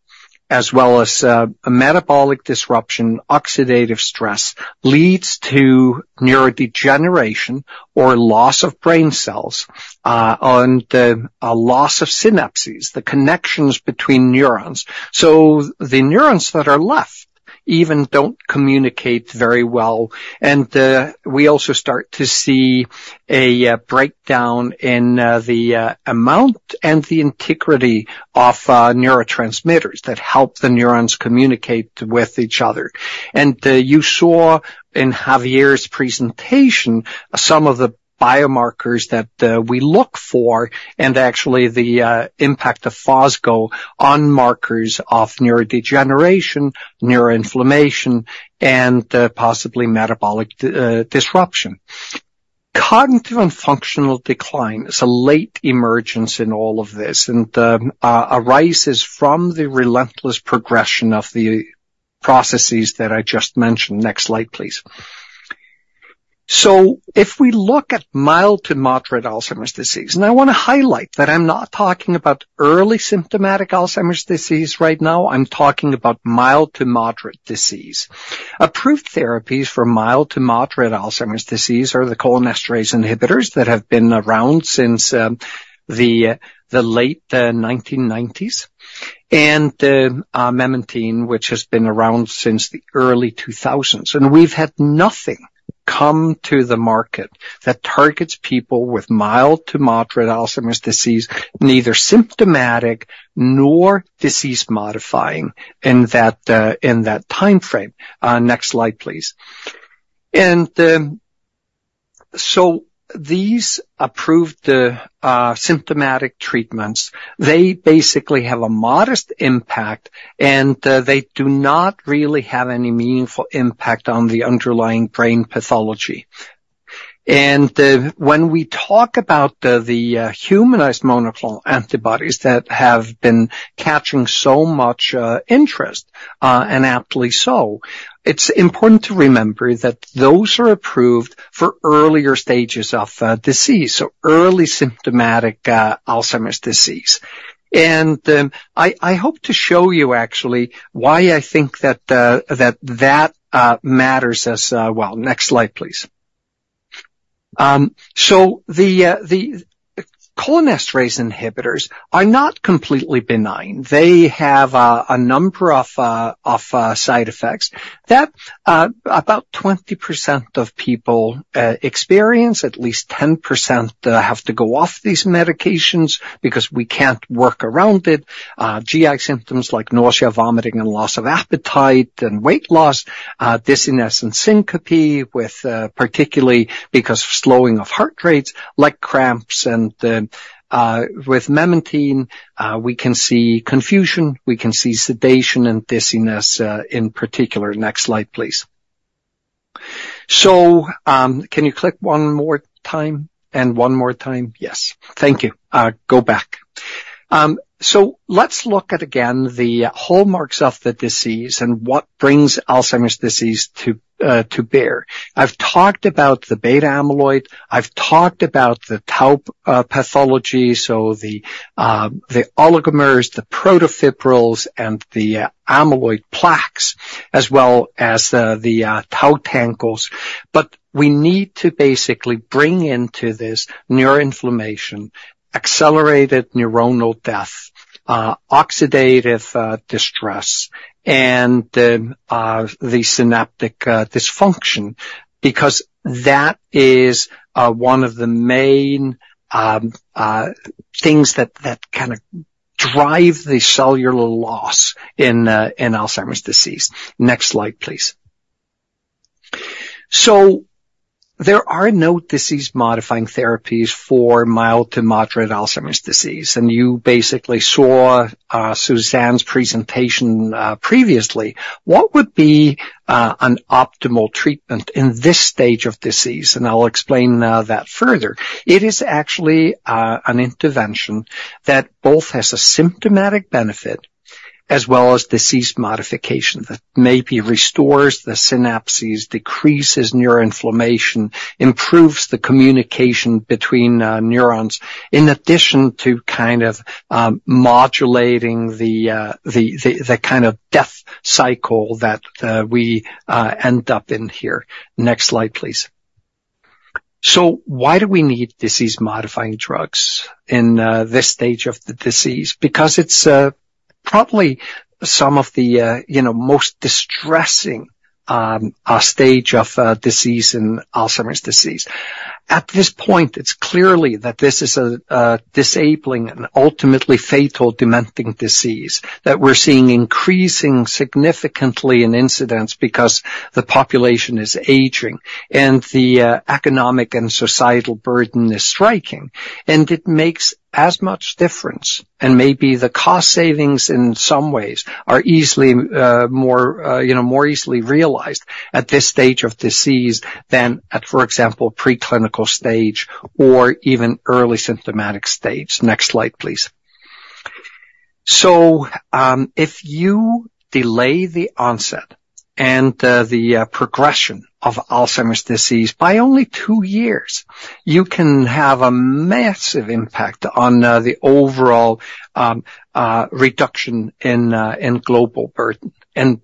as well as metabolic disruption, oxidative stress, leads to neurodegeneration or loss of brain cells and loss of synapses, the connections between neurons. The neurons that are left even don't communicate very well. We also start to see a breakdown in the amount and the integrity of neurotransmitters that help the neurons communicate with each other. You saw in Javier's presentation some of the biomarkers that we look for and actually the impact of fosgonimeton on markers of neurodegeneration, neuroinflammation, and possibly metabolic disruption. Cognitive and functional decline is a late emergence in all of this and arises from the relentless progression of the processes that I just mentioned. Next slide, please. So if we look at mild to moderate Alzheimer's disease, and I want to highlight that I'm not talking about early symptomatic Alzheimer's disease right now. I'm talking about mild to moderate disease. Approved therapies for mild to moderate Alzheimer's disease are the cholinesterase inhibitors that have been around since the late 1990s and memantine, which has been around since the early 2000s. We've had nothing come to the market that targets people with mild to moderate Alzheimer's disease, neither symptomatic nor disease-modifying in that timeframe. Next slide, please. So these approved symptomatic treatments, they basically have a modest impact, and they do not really have any meaningful impact on the underlying brain pathology. When we talk about the humanized monoclonal antibodies that have been catching so much interest, and aptly so, it's important to remember that those are approved for earlier stages of disease, so early symptomatic Alzheimer's disease. I hope to show you actually why I think that that matters as well. Next slide, please. So the cholinesterase inhibitors are not completely benign. They have a number of side effects that about 20% of people experience. At least 10% have to go off these medications because we can't work around it. GI symptoms like nausea, vomiting, and loss of appetite and weight loss, dizziness, and syncope, particularly because of slowing of heart rates, leg cramps. And with memantine, we can see confusion. We can see sedation and dizziness in particular. Next slide, please. So can you click one more time and one more time? Yes. Thank you. Go back. So let's look at again the hallmarks of the disease and what brings Alzheimer's disease to bear. I've talked about the beta-amyloid. I've talked about the tau pathology, so the oligomers, the protofibrils, and the amyloid plaques, as well as the tau tangles. But we need to basically bring into this neuroinflammation, accelerated neuronal death, oxidative stress, and the synaptic dysfunction because that is one of the main things that kind of drive the cellular loss in Alzheimer's disease. Next slide, please. So there are no disease-modifying therapies for mild to moderate Alzheimer's disease. And you basically saw Suzanne's presentation previously. What would be an optimal treatment in this stage of disease? And I'll explain that further. It is actually an intervention that both has a symptomatic benefit as well as disease modification that maybe restores the synapses, decreases neuroinflammation, improves the communication between neurons in addition to kind of modulating the kind of death cycle that we end up in here. Next slide, please. So why do we need disease-modifying drugs in this stage of the disease? Because it's probably some of the most distressing stage of disease in Alzheimer's disease. At this point, it's clearly that this is a disabling and ultimately fatal dementing disease that we're seeing increasing significantly in incidence because the population is aging and the economic and societal burden is striking. And it makes as much difference. And maybe the cost savings in some ways are easily more easily realized at this stage of disease than at, for example, preclinical stage or even early symptomatic stage. Next slide, please. So if you delay the onset and the progression of Alzheimer's disease by only two years, you can have a massive impact on the overall reduction in global burden. And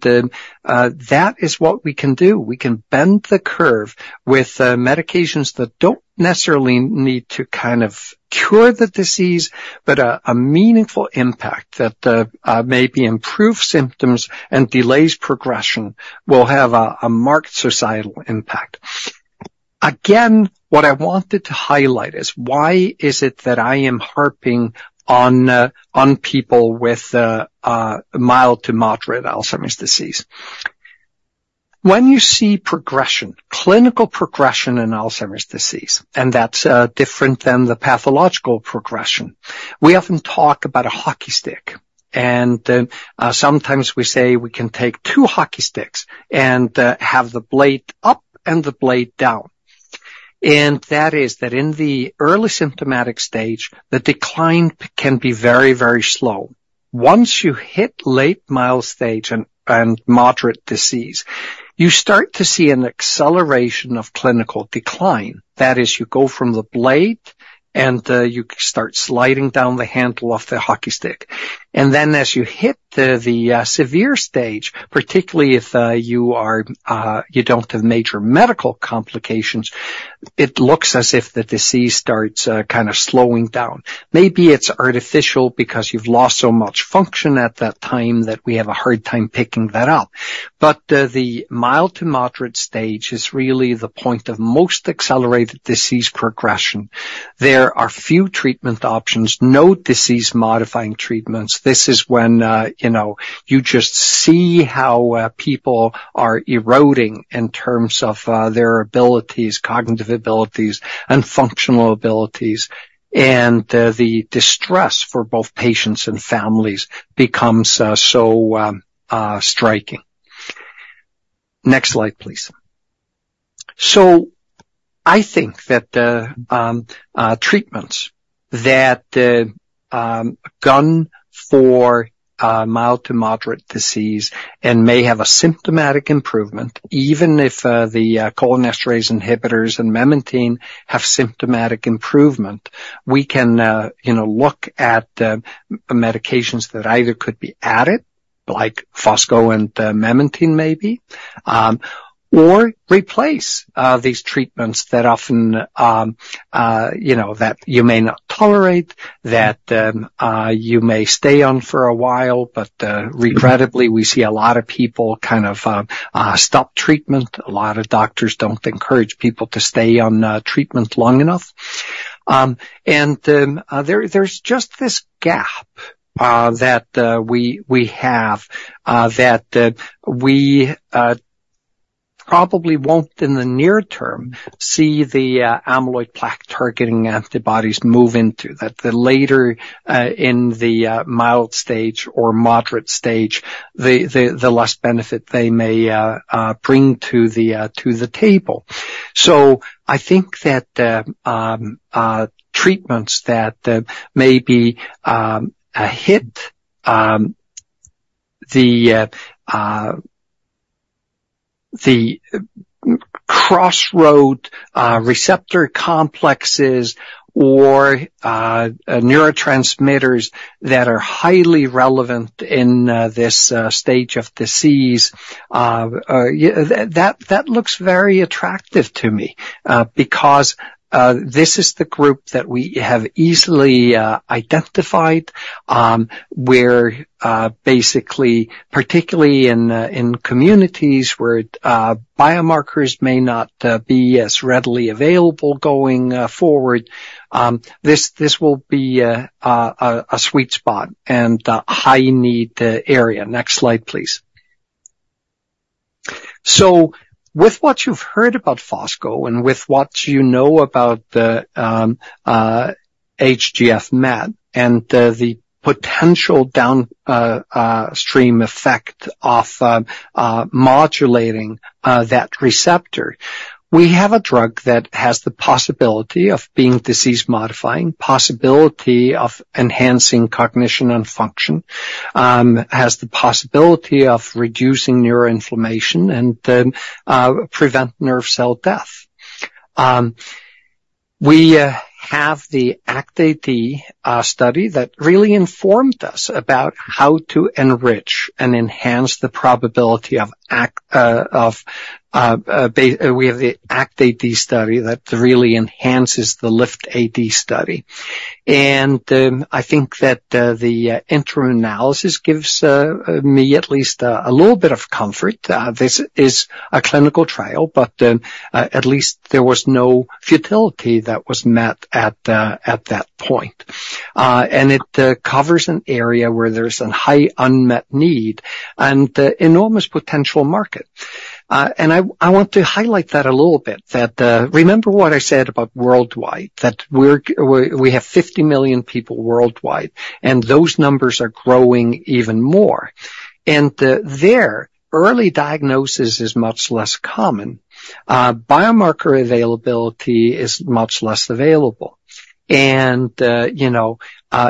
that is what we can do. We can bend the curve with medications that don't necessarily need to kind of cure the disease, but a meaningful impact that maybe improves symptoms and delays progression will have a marked societal impact. Again, what I wanted to highlight is why is it that I am harping on people with mild to moderate Alzheimer's disease? When you see progression, clinical progression in Alzheimer's disease, and that's different than the pathological progression, we often talk about a hockey stick. And sometimes we say we can take two hockey sticks and have the blade up and the blade down. And that is that in the early symptomatic stage, the decline can be very, very slow. Once you hit late mild stage and moderate disease, you start to see an acceleration of clinical decline. That is, you go from the blade and you start sliding down the handle of the hockey stick. And then as you hit the severe stage, particularly if you don't have major medical complications, it looks as if the disease starts kind of slowing down. Maybe it's artificial because you've lost so much function at that time that we have a hard time picking that up. But the mild to moderate stage is really the point of most accelerated disease progression. There are few treatment options, no disease-modifying treatments. This is when you just see how people are eroding in terms of their abilities, cognitive abilities, and functional abilities. And the distress for both patients and families becomes so striking. Next slide, please. So I think that the treatments that go for mild to moderate disease and may have a symptomatic improvement, even if the cholinesterase inhibitors and memantine have symptomatic improvement, we can look at medications that either could be added, like fosgonimeton and memantine maybe, or replace these treatments that often that you may not tolerate, that you may stay on for a while. But regrettably, we see a lot of people kind of stop treatment. A lot of doctors don't encourage people to stay on treatment long enough. There's just this gap that we have that we probably won't in the near term see the amyloid plaque targeting antibodies move into, that the later in the mild stage or moderate stage, the less benefit they may bring to the table. So I think that treatments that maybe hit the crossroad receptor complexes or neurotransmitters that are highly relevant in this stage of disease, that looks very attractive to me because this is the group that we have easily identified where basically, particularly in communities where biomarkers may not be as readily available going forward, this will be a sweet spot and a high-need area. Next slide, please. So with what you've heard about fosgonimeton and with what you know about HGF/MET and the potential downstream effect of modulating that receptor, we have a drug that has the possibility of being disease-modifying, possibility of enhancing cognition and function, has the possibility of reducing neuroinflammation, and prevent nerve cell death. We have the ACT-AD study that really informed us about how to enrich and enhance the probability of the ACT-AD study that really enhances the LIFT-AD study. I think that the interim analysis gives me at least a little bit of comfort. This is a clinical trial, but at least there was no futility that was met at that point. It covers an area where there's a high unmet need and enormous potential market. I want to highlight that a little bit, that remember what I said about worldwide, that we have 50 million people worldwide, and those numbers are growing even more. There, early diagnosis is much less common. Biomarker availability is much less available.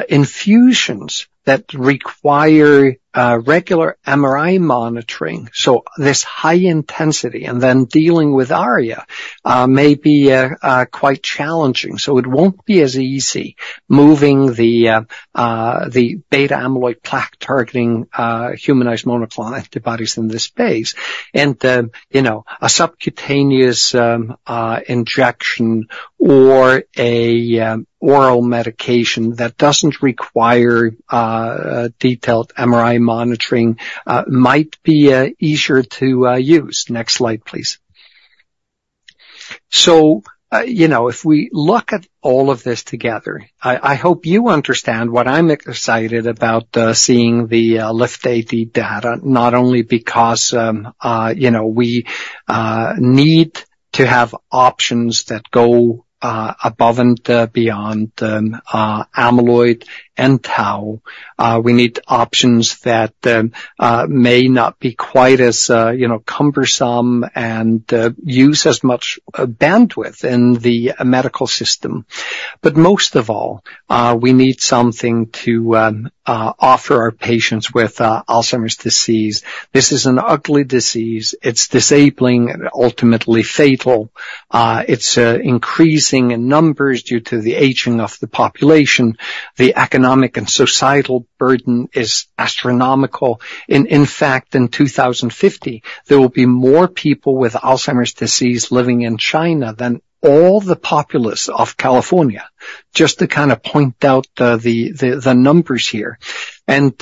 Infusions that require regular MRI monitoring, so this high intensity and then dealing with ARIA may be quite challenging. It won't be as easy moving the beta-amyloid plaque targeting humanized monoclonal antibodies in this space. A subcutaneous injection or an oral medication that doesn't require detailed MRI monitoring might be easier to use. Next slide, please. So if we look at all of this together, I hope you understand what I'm excited about seeing the LIFT-AD data, not only because we need to have options that go above and beyond amyloid and tau. We need options that may not be quite as cumbersome and use as much bandwidth in the medical system. But most of all, we need something to offer our patients with Alzheimer's disease. This is an ugly disease. It's disabling and ultimately fatal. It's increasing in numbers due to the aging of the population. The economic and societal burden is astronomical. In fact, in 2050, there will be more people with Alzheimer's disease living in China than all the populace of California, just to kind of point out the numbers here, and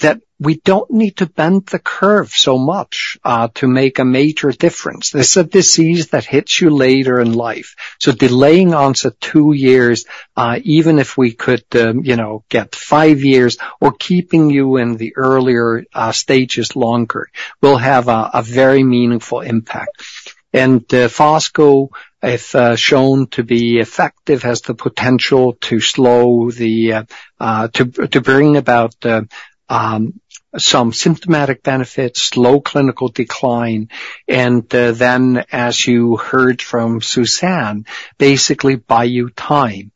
that we don't need to bend the curve so much to make a major difference. This is a disease that hits you later in life. So delaying onset 2 years, even if we could get 5 years, or keeping you in the earlier stages longer will have a very meaningful impact. And fosgonimeton, if shown to be effective, has the potential to slow to bring about some symptomatic benefits, slow clinical decline. And then, as you heard from Suzanne, basically buy you time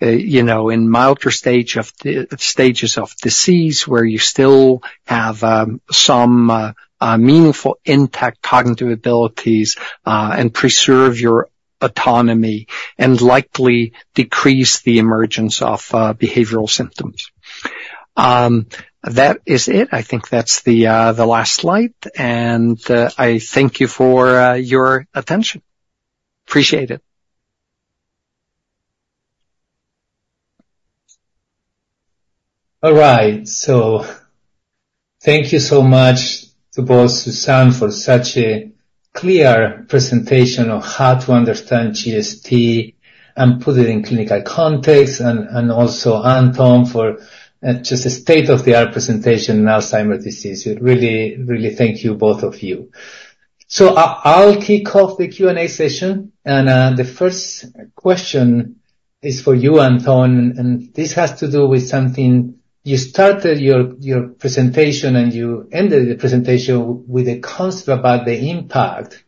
in milder stages of disease where you still have some meaningful intact cognitive abilities and preserve your autonomy and likely decrease the emergence of behavioral symptoms. That is it. I think that's the last slide. And I thank you for your attention. Appreciate it. All right. So thank you so much to both Suzanne for such a clear presentation of how to understand GST and put it in clinical context, and also Anton for just a state-of-the-art presentation in Alzheimer's disease. Really, really thank you, both of you. So I'll kick off the Q&A session. And the first question is for you, Anton. And this has to do with something. You started your presentation and you ended the presentation with a concept about the impact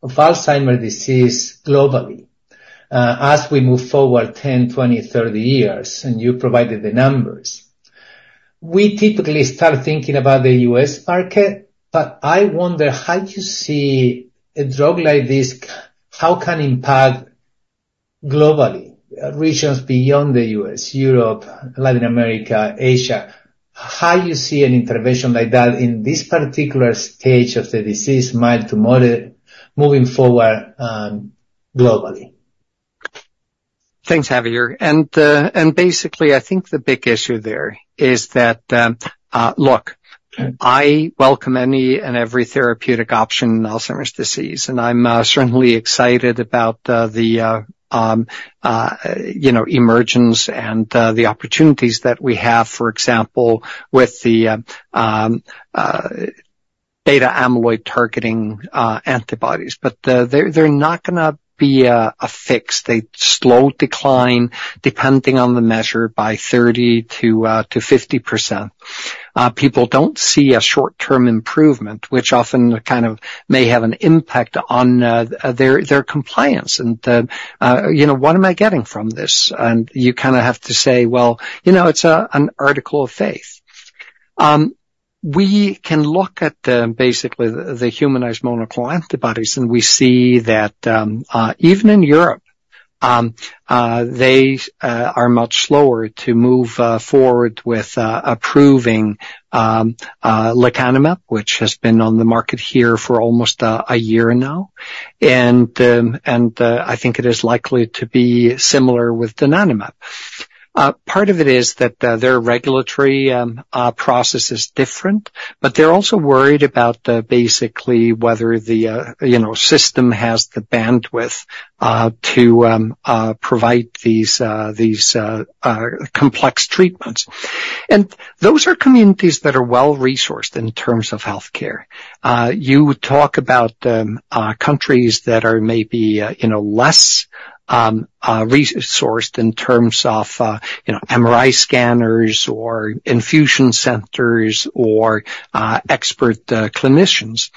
of Alzheimer's disease globally as we move forward 10, 20, 30 years, and you provided the numbers. We typically start thinking about the U.S. market, but I wonder how you see a drug like this. How can it impact globally, regions beyond the U.S., Europe, Latin America, Asia? How do you see an intervention like that in this particular stage of the disease, mild to moderate, moving forward globally? Thanks, Javier. And basically, I think the big issue there is that, look, I welcome any and every therapeutic option in Alzheimer's disease. I'm certainly excited about the emergence and the opportunities that we have, for example, with the beta-amyloid targeting antibodies. But they're not going to be a fix. They slow decline, depending on the measure, by 30%-50%. People don't see a short-term improvement, which often kind of may have an impact on their compliance. And what am I getting from this? And you kind of have to say, well, it's an article of faith. We can look at basically the humanized monoclonal antibodies, and we see that even in Europe, they are much slower to move forward with approving lecanemab, which has been on the market here for almost a year now. And I think it is likely to be similar with donanemab. Part of it is that their regulatory process is different, but they're also worried about basically whether the system has the bandwidth to provide these complex treatments. And those are communities that are well-resourced in terms of healthcare. You talk about countries that are maybe less resourced in terms of MRI scanners or infusion centers or expert clinicians.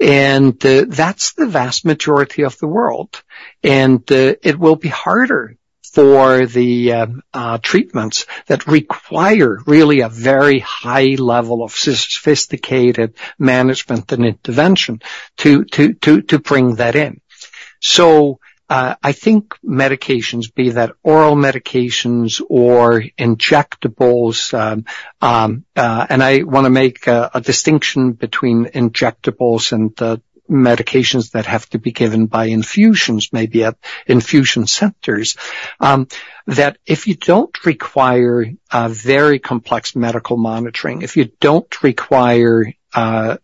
And that's the vast majority of the world. And it will be harder for the treatments that require really a very high level of sophisticated management and intervention to bring that in. So I think medications, be that oral medications or injectables - and I want to make a distinction between injectables and medications that have to be given by infusions, maybe at infusion centers - that if you don't require very complex medical monitoring, if you don't require regular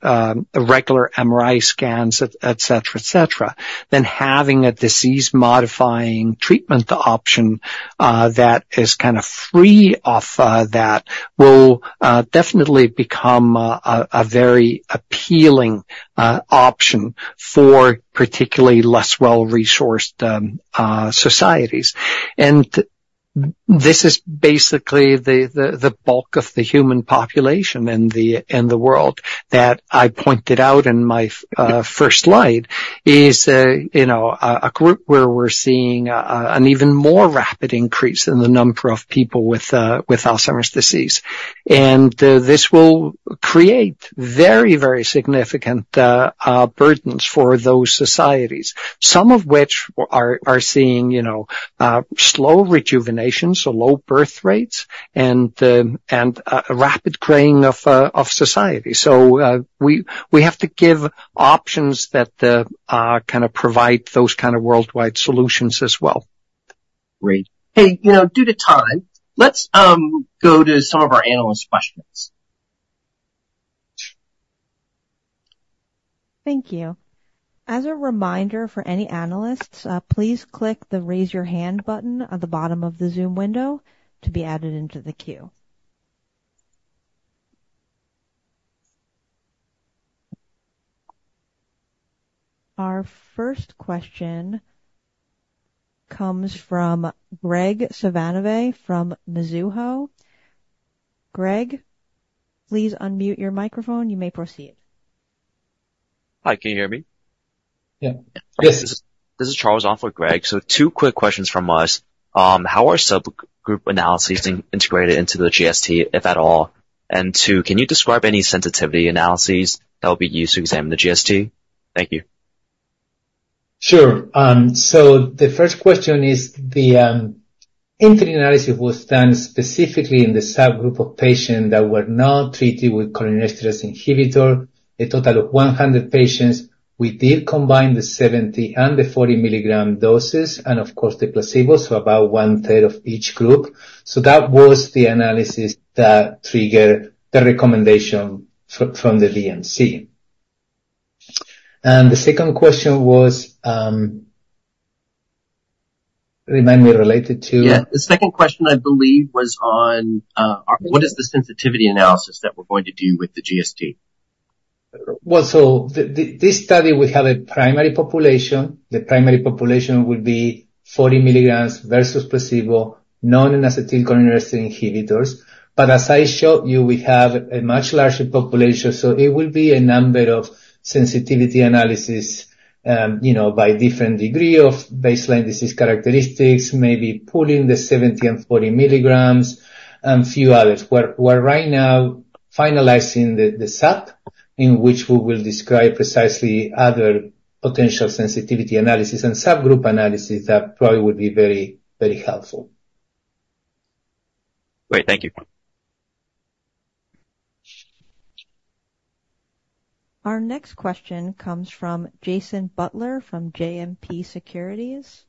MRI scans, etc., etc., then having a disease-modifying treatment option that is kind of free of that will definitely become a very appealing option for particularly less well-resourced societies. And this is basically the bulk of the human population in the world that I pointed out in my first slide is a group where we're seeing an even more rapid increase in the number of people with Alzheimer's disease. And this will create very, very significant burdens for those societies, some of which are seeing slow rejuvenation, so low birth rates, and rapid graying of society. So we have to give options that kind of provide those kind of worldwide solutions as well. Great. Hey, due to time, let's go to some of our analyst questions. Thank you. As a reminder for any analysts, please click the raise your hand button at the bottom of the Zoom window to be added into the queue. Our first question comes from Graig Suvannavejh from Mizuho. Graig, please unmute your microphone. You may proceed. Hi, can you hear me? Yeah. Yes. This is Charles off of Graig. So two quick questions from us. How are subgroup analyses integrated into the GST, if at all? And two, can you describe any sensitivity analyses that will be used to examine the GST? Thank you. Sure. So the first question is the interim analysis was done specifically in the subgroup of patients that were not treated with cholinesterase inhibitor, a total of 100 patients. We did combine the 70 and the 40 milligram doses, and of course, the placebo, so about one-third of each group. So that was the analysis that triggered the recommendation from the DMC. And the second question was, remind me, related to? Yeah. The second question, I believe, was on what is the sensitivity analysis that we're going to do with the GST? Well, so this study, we have a primary population. The primary population would be 40 milligrams versus placebo, non-acetylcholinesterase inhibitors. But as I showed you, we have a much larger population. So it will be a number of sensitivity analyses by different degree of baseline disease characteristics, maybe pulling the 70 and 40 milligrams, and a few others. We're right now finalizing the SAP, in which we will describe precisely other potential sensitivity analyses and subgroup analyses that probably would be very, very helpful. Great. Thank you. Our next question comes from Jason Butler from JMP Securities.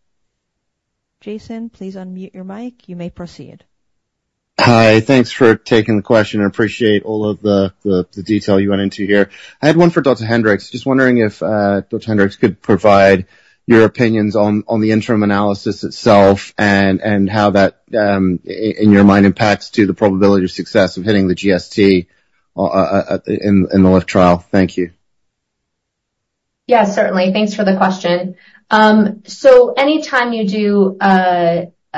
Jason, please unmute your mic. You may proceed. Hi. Thanks for taking the question. I appreciate all of the detail you went into here. I had one for Dr. Hendrix. Just wondering if Dr. Hendrix could provide your opinions on the interim analysis itself and how that, in your mind, impacts the probability of success of hitting the GST in the LIFT trial. Thank you. Yeah, certainly. Thanks for the question. So anytime you do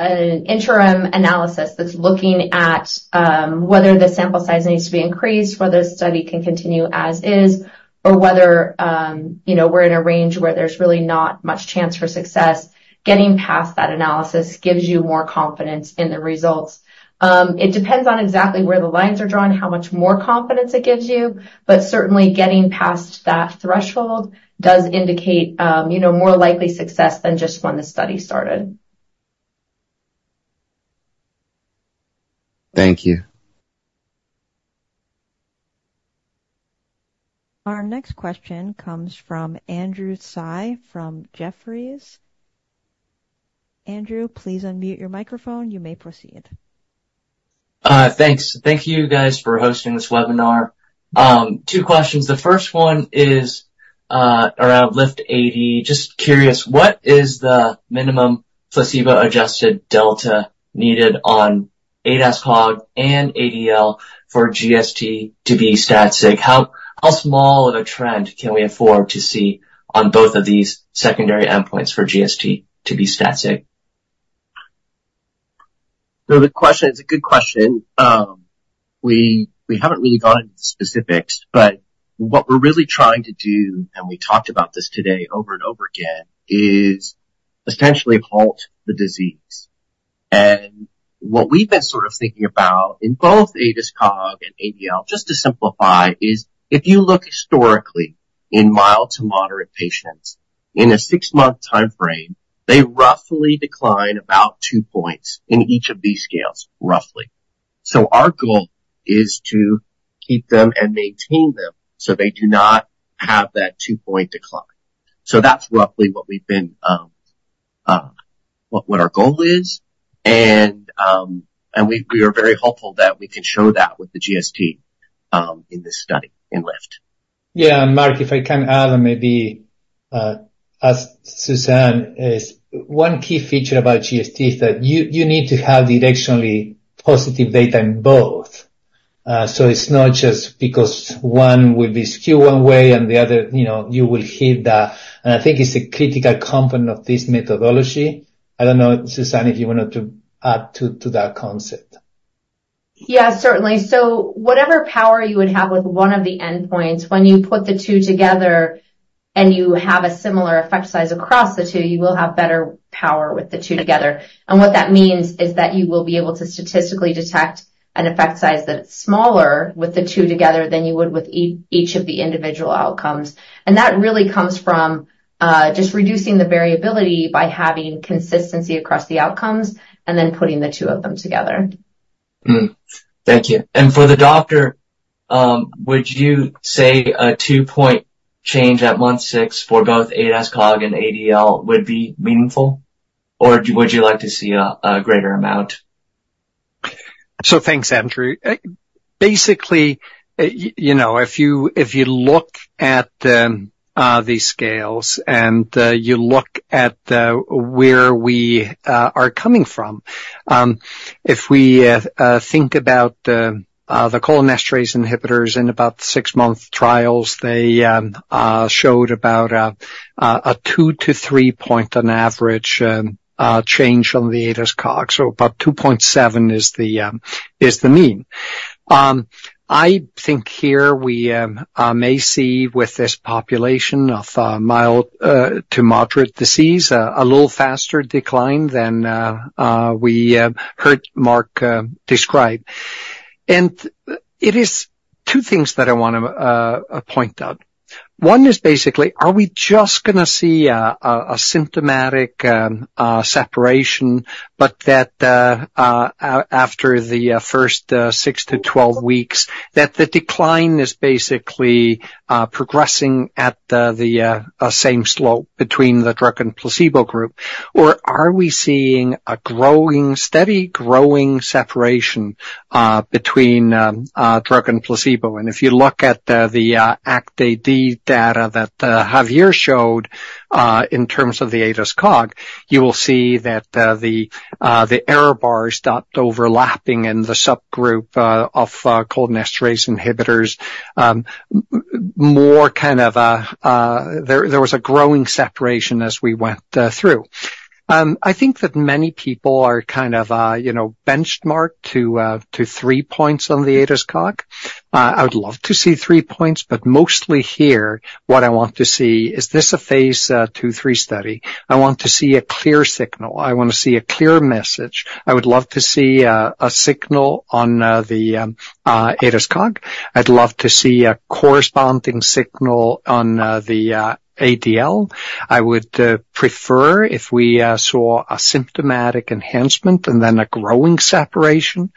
an interim analysis that's looking at whether the sample size needs to be increased, whether the study can continue as is, or whether we're in a range where there's really not much chance for success, getting past that analysis gives you more confidence in the results. It depends on exactly where the lines are drawn, how much more confidence it gives you. But certainly, getting past that threshold does indicate more likely success than just when the study started. Thank you. Our next question comes from Andrew Tsai from Jefferies. Andrew, please unmute your microphone. You may proceed. Thanks. Thank you, guys, for hosting this webinar. Two questions. The first one is around LIFT-AD. Just curious, what is the minimum placebo-adjusted delta needed on ADAS-COG and ADL for GST to be stat sig? How small of a trend can we afford to see on both of these secondary endpoints for GST to be stat sig? The question is a good question. We haven't really gone into the specifics. But what we're really trying to do, and we talked about this today over and over again, is essentially halt the disease. And what we've been sort of thinking about in both ADAS-Cog and ADL, just to simplify, is if you look historically in mild to moderate patients, in a 6-month time frame, they roughly decline about 2 points in each of these scales, roughly. Our goal is to keep them and maintain them so they do not have that 2-point decline. That's roughly what we've been our goal is. And we are very hopeful that we can show that with the GST in this study in LIFT. Yeah. And Mark, if I can add, maybe as Suzanne is, one key feature about GST is that you need to have directionally positive data in both. So it's not just because one will be skewed one way and the other you will hit that. And I think it's a critical component of this methodology. I don't know, Suzanne, if you wanted to add to that concept. Yeah, certainly. So whatever power you would have with one of the endpoints, when you put the two together and you have a similar effect size across the two, you will have better power with the two together. And what that means is that you will be able to statistically detect an effect size that's smaller with the two together than you would with each of the individual outcomes. That really comes from just reducing the variability by having consistency across the outcomes and then putting the two of them together. Thank you. For the doctor, would you say a 2-point change at month 6 for both ADAS-COG and ADL would be meaningful? Or would you like to see a greater amount? So thanks, Andrew. Basically, if you look at these scales and you look at where we are coming from, if we think about the cholinesterase inhibitors in about 6-month trials, they showed about a 2-3-point on average change on the ADAS-COG. So about 2.7 is the mean. I think here we may see with this population of mild to moderate disease a little faster decline than we heard Mark describe. And it is two things that I want to point out. One is basically, are we just going to see a symptomatic separation, but that after the first 6-12 weeks, that the decline is basically progressing at the same slope between the drug and placebo group? Or are we seeing a steady growing separation between drug and placebo? And if you look at the ACT-AD data that Javier showed in terms of the ADAS-COG, you will see that the error bars stopped overlapping in the subgroup of cholinesterase inhibitors; more kind of, there was a growing separation as we went through. I think that many people are kind of benchmarked to three points on the ADAS-COG. I would love to see three points, but mostly here, what I want to see is this a phase II/3 study. I want to see a clear signal. I want to see a clear message. I would love to see a signal on the ADAS-COG. I'd love to see a corresponding signal on the ADL. I would prefer if we saw a symptomatic enhancement and then a growing separation.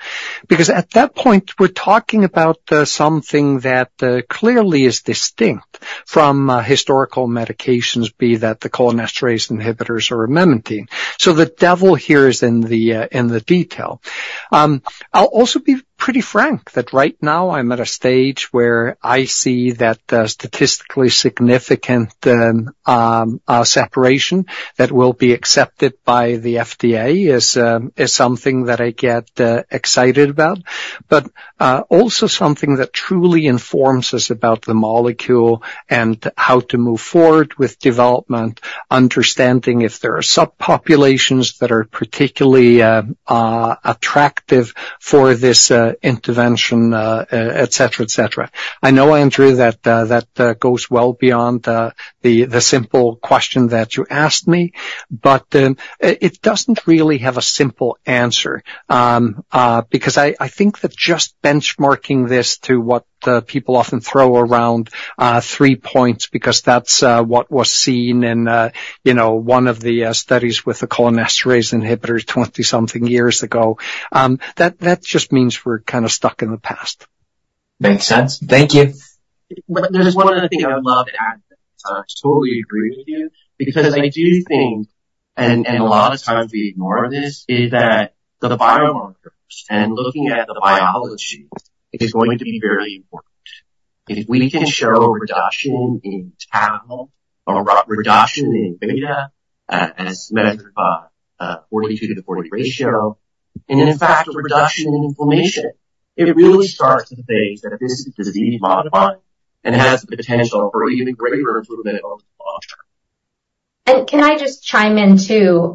Because at that point, we're talking about something that clearly is distinct from historical medications, be that the cholinesterase inhibitors or memantine. So the devil here is in the detail. I'll also be pretty frank that right now I'm at a stage where I see that statistically significant separation that will be accepted by the FDA is something that I get excited about. But also something that truly informs us about the molecule and how to move forward with development, understanding if there are subpopulations that are particularly attractive for this intervention, etc., etc. I know, Andrew, that that goes well beyond the simple question that you asked me. But it doesn't really have a simple answer. Because I think that just benchmarking this to what people often throw around three points, because that's what was seen in one of the studies with the cholinesterase inhibitors 20-something years ago, that just means we're kind of stuck in the past. Makes sense. Thank you. There's one other thing I would love to add. I totally agree with you. Because I do think, and a lot of times we ignore this, is that the biomarkers and looking at the biology is going to be very important. If we can show reduction in NfL or reduction in A beta as measured by a 42/40 ratio, and in fact, reduction in inflammation, it really starts to prove that this is disease-modifying and has the potential for even greater improvement over the long term. And can I just chime in too?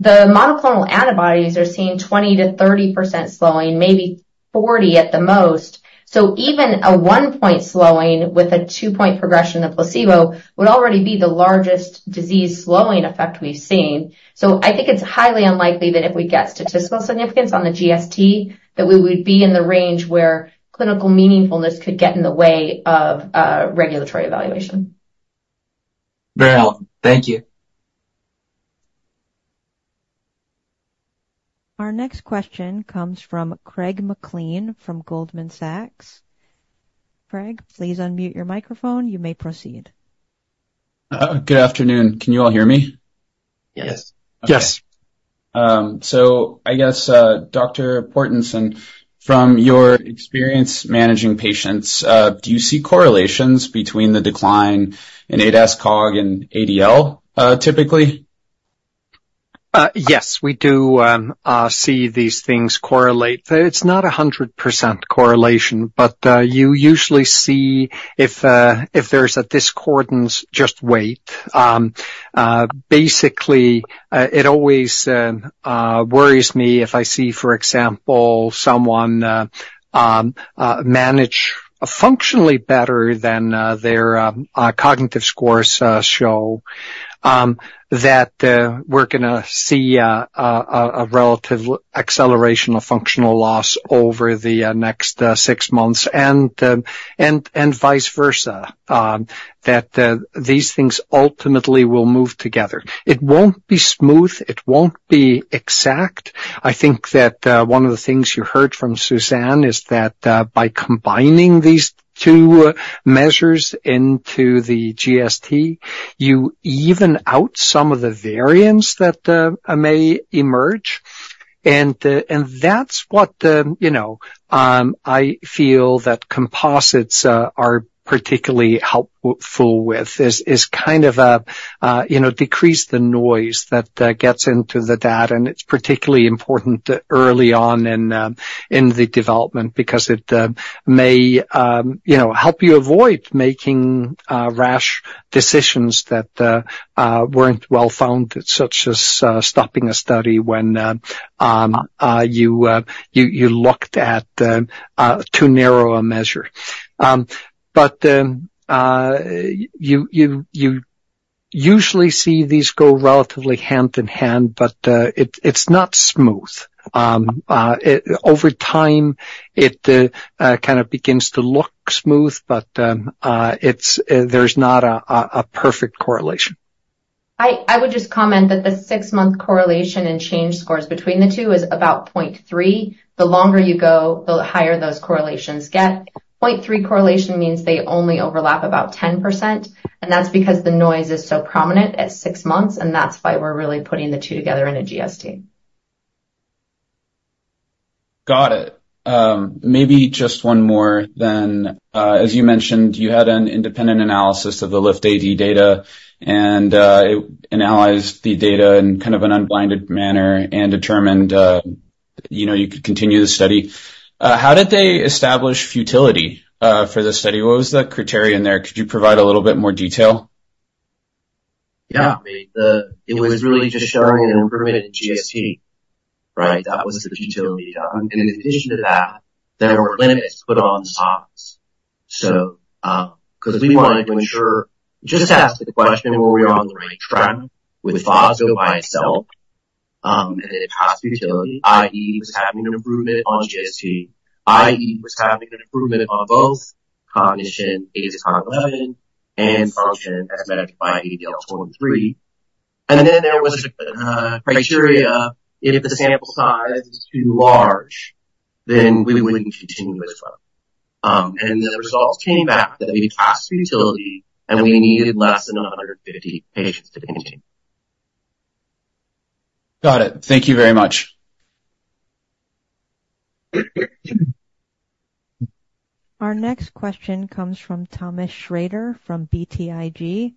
The monoclonal antibodies are seeing 20%-30% slowing, maybe 40% at the most. So even a 1-point slowing with a 2-point progression of placebo would already be the largest disease-slowing effect we've seen. So I think it's highly unlikely that if we get statistical significance on the GST, that we would be in the range where clinical meaningfulness could get in the way of regulatory evaluation. Very well. Thank you. Our next question comes from Corinne Jenkins from Goldman Sachs. Corinne, please unmute your microphone. You may proceed. Good afternoon. Can you all hear me? Yes. Yes. So I guess, Dr. Porsteinsson, from your experience managing patients, do you see correlations between the decline in ADAS-Cog and ADL typically? Yes, we do see these things correlate. It's not 100% correlation, but you usually see if there's a discordance, just wait. Basically, it always worries me if I see, for example, someone manage functionally better than their cognitive scores show, that we're going to see a relative acceleration of functional loss over the next six months and vice versa, that these things ultimately will move together. It won't be smooth. It won't be exact. I think that one of the things you heard from Suzanne is that by combining these two measures into the GST, you even out some of the variance that may emerge. That's what I feel that composites are particularly helpful with, is kind of decrease the noise that gets into the data. It's particularly important early on in the development because it may help you avoid making rash decisions that weren't well-founded, such as stopping a study when you looked at too narrow a measure. But you usually see these go relatively hand in hand, but it's not smooth. Over time, it kind of begins to look smooth, but there's not a perfect correlation. I would just comment that the six-month correlation and change scores between the two is about 0.3. The longer you go, the higher those correlations get. 0.3 correlation means they only overlap about 10%. And that's because the noise is so prominent at six months, and that's why we're really putting the two together in a GST. Got it. Maybe just one more then. As you mentioned, you had an independent analysis of the LIFT-AD data and analyzed the data in kind of an unblinded manner and determined you could continue the study. How did they establish futility for the study? What was the criteria in there? Could you provide a little bit more detail? Yeah. It was really just showing an improvement in GST, right? That was the futility. And in addition to that, there were limits put on the SOCs. Because we wanted to ensure just to ask the question, were we on the right track with fosgonimeton by itself? And then it has futility, i.e., was having an improvement on GST, i.e., was having an improvement on both cognition, ADAS-Cog11, and function as measured by ADL-23. And then there was a criterion, if the sample size is too large, then we wouldn't continue as well. And the results came back that we passed futility and we needed less than 150 patients to continue. Got it. Thank you very much. Our next question comes from Tom Shrader from BTIG.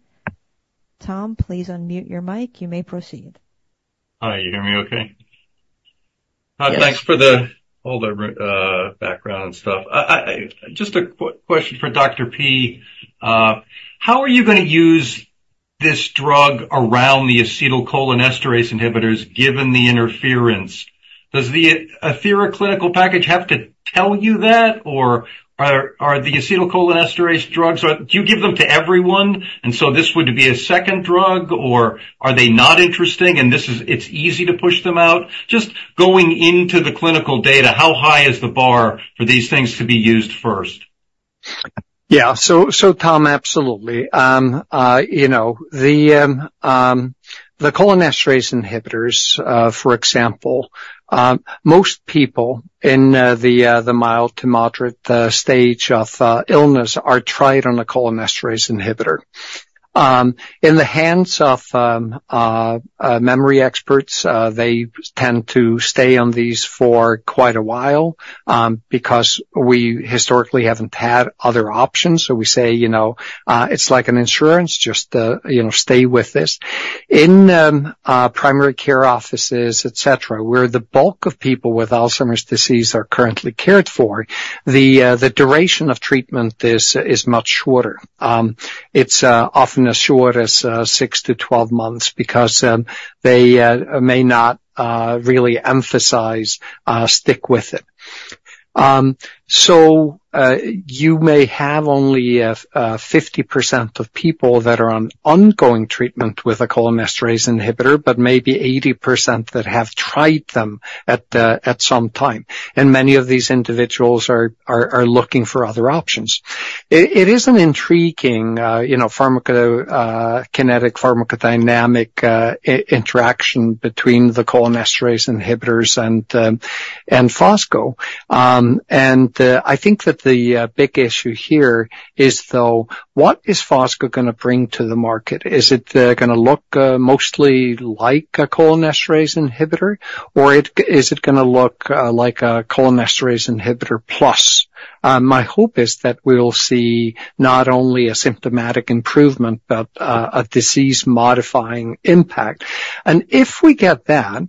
Tom, please unmute your mic. You may proceed. Hi. You hear me okay? Thanks for all the background stuff. Just a quick question for Dr. P. How are you going to use this drug around the acetylcholinesterase inhibitors given the interference? Does the Athira clinical package have to tell you that? Or are the acetylcholinesterase drugs do you give them to everyone? And so this would be a second drug, or are they not interesting and it's easy to push them out? Just going into the clinical data, how high is the bar for these things to be used first? Yeah. So, Tom, absolutely. The cholinesterase inhibitors, for example, most people in the mild to moderate stage of illness are tried on a cholinesterase inhibitor. In the hands of memory experts, they tend to stay on these for quite a while because we historically haven't had other options. So we say, it's like an insurance, just stay with this. In primary care offices, etc., where the bulk of people with Alzheimer's disease are currently cared for, the duration of treatment is much shorter. It's often as short as 6-12 months because they may not really emphasize stick with it. You may have only 50% of people that are on ongoing treatment with a cholinesterase inhibitor, but maybe 80% that have tried them at some time. Many of these individuals are looking for other options. It is an intriguing pharmacokinetic pharmacodynamic interaction between the cholinesterase inhibitors and fosgonimeton. I think that the big issue here is, though, what is fosgonimeton going to bring to the market? Is it going to look mostly like a cholinesterase inhibitor? Or is it going to look like a cholinesterase inhibitor plus? My hope is that we will see not only a symptomatic improvement, but a disease-modifying impact. If we get that,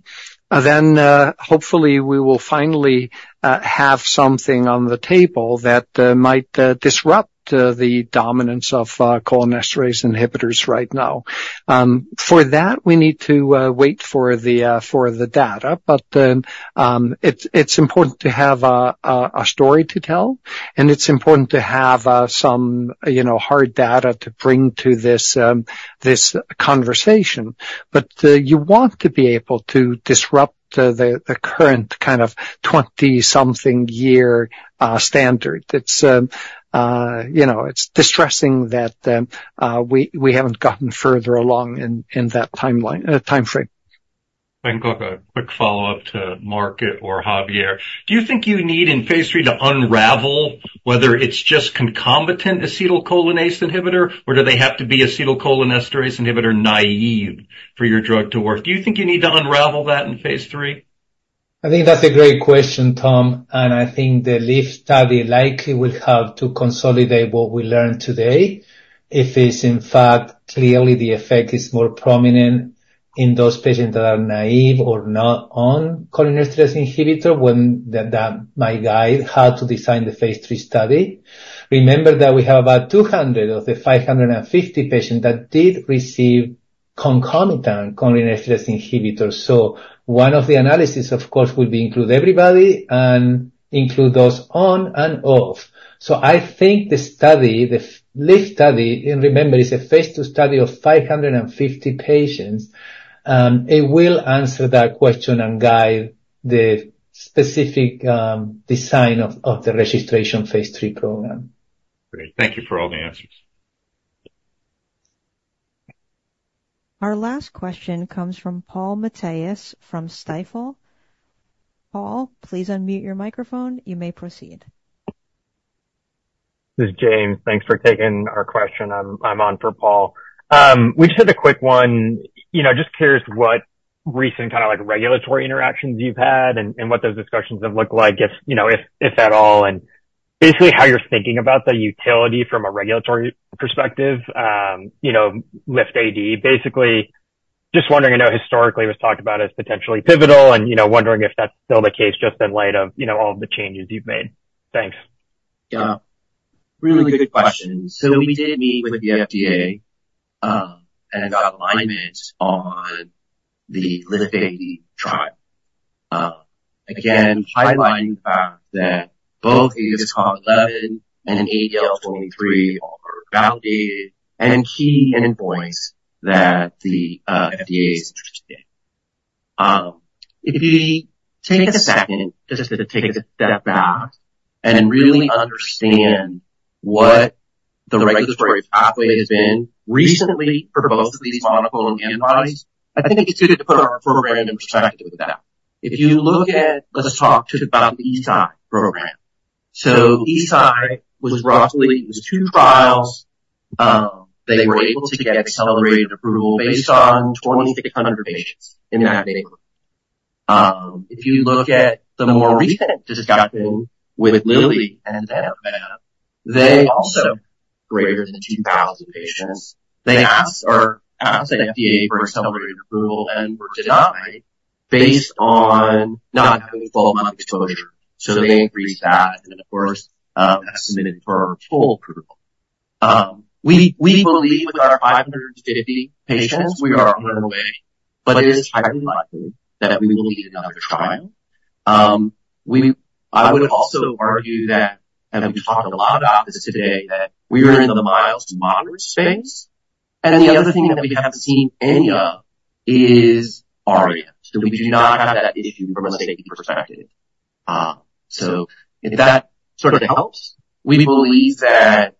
then hopefully we will finally have something on the table that might disrupt the dominance of cholinesterase inhibitors right now. For that, we need to wait for the data. But it's important to have a story to tell. And it's important to have some hard data to bring to this conversation. But you want to be able to disrupt the current kind of 20-something year standard. It's distressing that we haven't gotten further along in that timeframe. Thank you. A quick follow-up to Mark or Javier. Do you think you need in phase III to unravel whether it's just concomitant acetylcholinesterase inhibitor, or do they have to be acetylcholinesterase inhibitor naive for your drug to work? Do you think you need to unravel that in phase III? I think that's a great question, Tom. I think the LIFT study likely will have to consolidate what we learned today. If it's in fact clearly the effect is more prominent in those patients that are naive or not on cholinesterase inhibitor, when that might guide how to design the phase III study. Remember that we have about 200 of the 550 patients that did receive concomitant cholinesterase inhibitor. So one of the analyses, of course, will be include everybody and include those on and off. So I think the study, the LIFT study, and remember, it's a phase II study of 550 patients, it will answer that question and guide the specific design of the registration phase III program. Great. Thank you for all the answers. Our last question comes from Paul Matteis from Stifel. Paul, please unmute your microphone. You may proceed. This is James. Thanks for taking our question. I'm on for Paul. We just had a quick one. Just curious what recent kind of regulatory interactions you've had and what those discussions have looked like, if at all, and basically how you're thinking about the utility from a regulatory perspective, LIFT-AD. Basically, just wondering, I know historically it was talked about as potentially pivotal, and wondering if that's still the case just in light of all of the changes you've made. Thanks. Yeah. Really good question. So we did meet with the FDA and got alignment on the LIFT-AD trial. Again, highlighting the fact that both ADAS-Cog11 and ADL-23 are validated and key endpoints that the FDA is interested in. If you take a second just to take a step back and really understand what the regulatory pathway has been recently for both of these monoclonal antibodies, I think it's good to put our program in perspective with that. If you look at, let's talk just about the Eisai program. So Eisai was roughly two trials. They were able to get accelerated approval based on 2,600 patients in that neighborhood. If you look at the more recent discussion with Lilly and donanemab, they also greater than 2,000 patients. They asked the FDA for accelerated approval and were denied based on not having full-month exposure. So they increased that and, of course, submitted for full approval. We believe with our 550 patients, we are on our way, but it is highly likely that we will need another trial. I would also argue that, and we talked a lot about this today, that we are in the mild to moderate space. And the other thing that we haven't seen any of is ARIA. So we do not have that issue from a safety perspective. So if that sort of helps, we believe that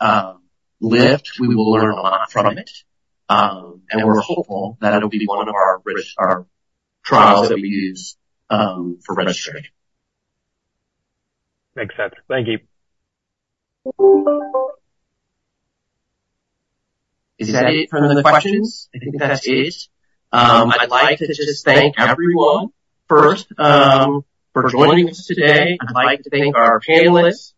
LIFT, we will learn a lot from it. And we're hopeful that it'll be one of our trials that we use for registration. Thanks, Seth. Thank you. Is that it for the questions? I think that's it. I'd like to just thank everyone first for joining us today. I'd like to thank our panelists.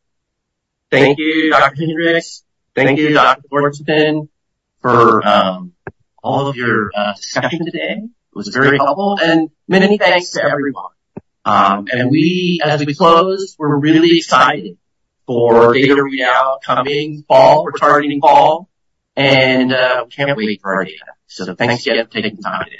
Thank you, Dr. Hendrix. Thank you, Dr. Thorsten for all of your discussion today. It was very helpful. And many thanks to everyone. And as we close, we're really excited for data readout coming fall. We're targeting fall. And we can't wait for our data. So thanks again for taking the time today.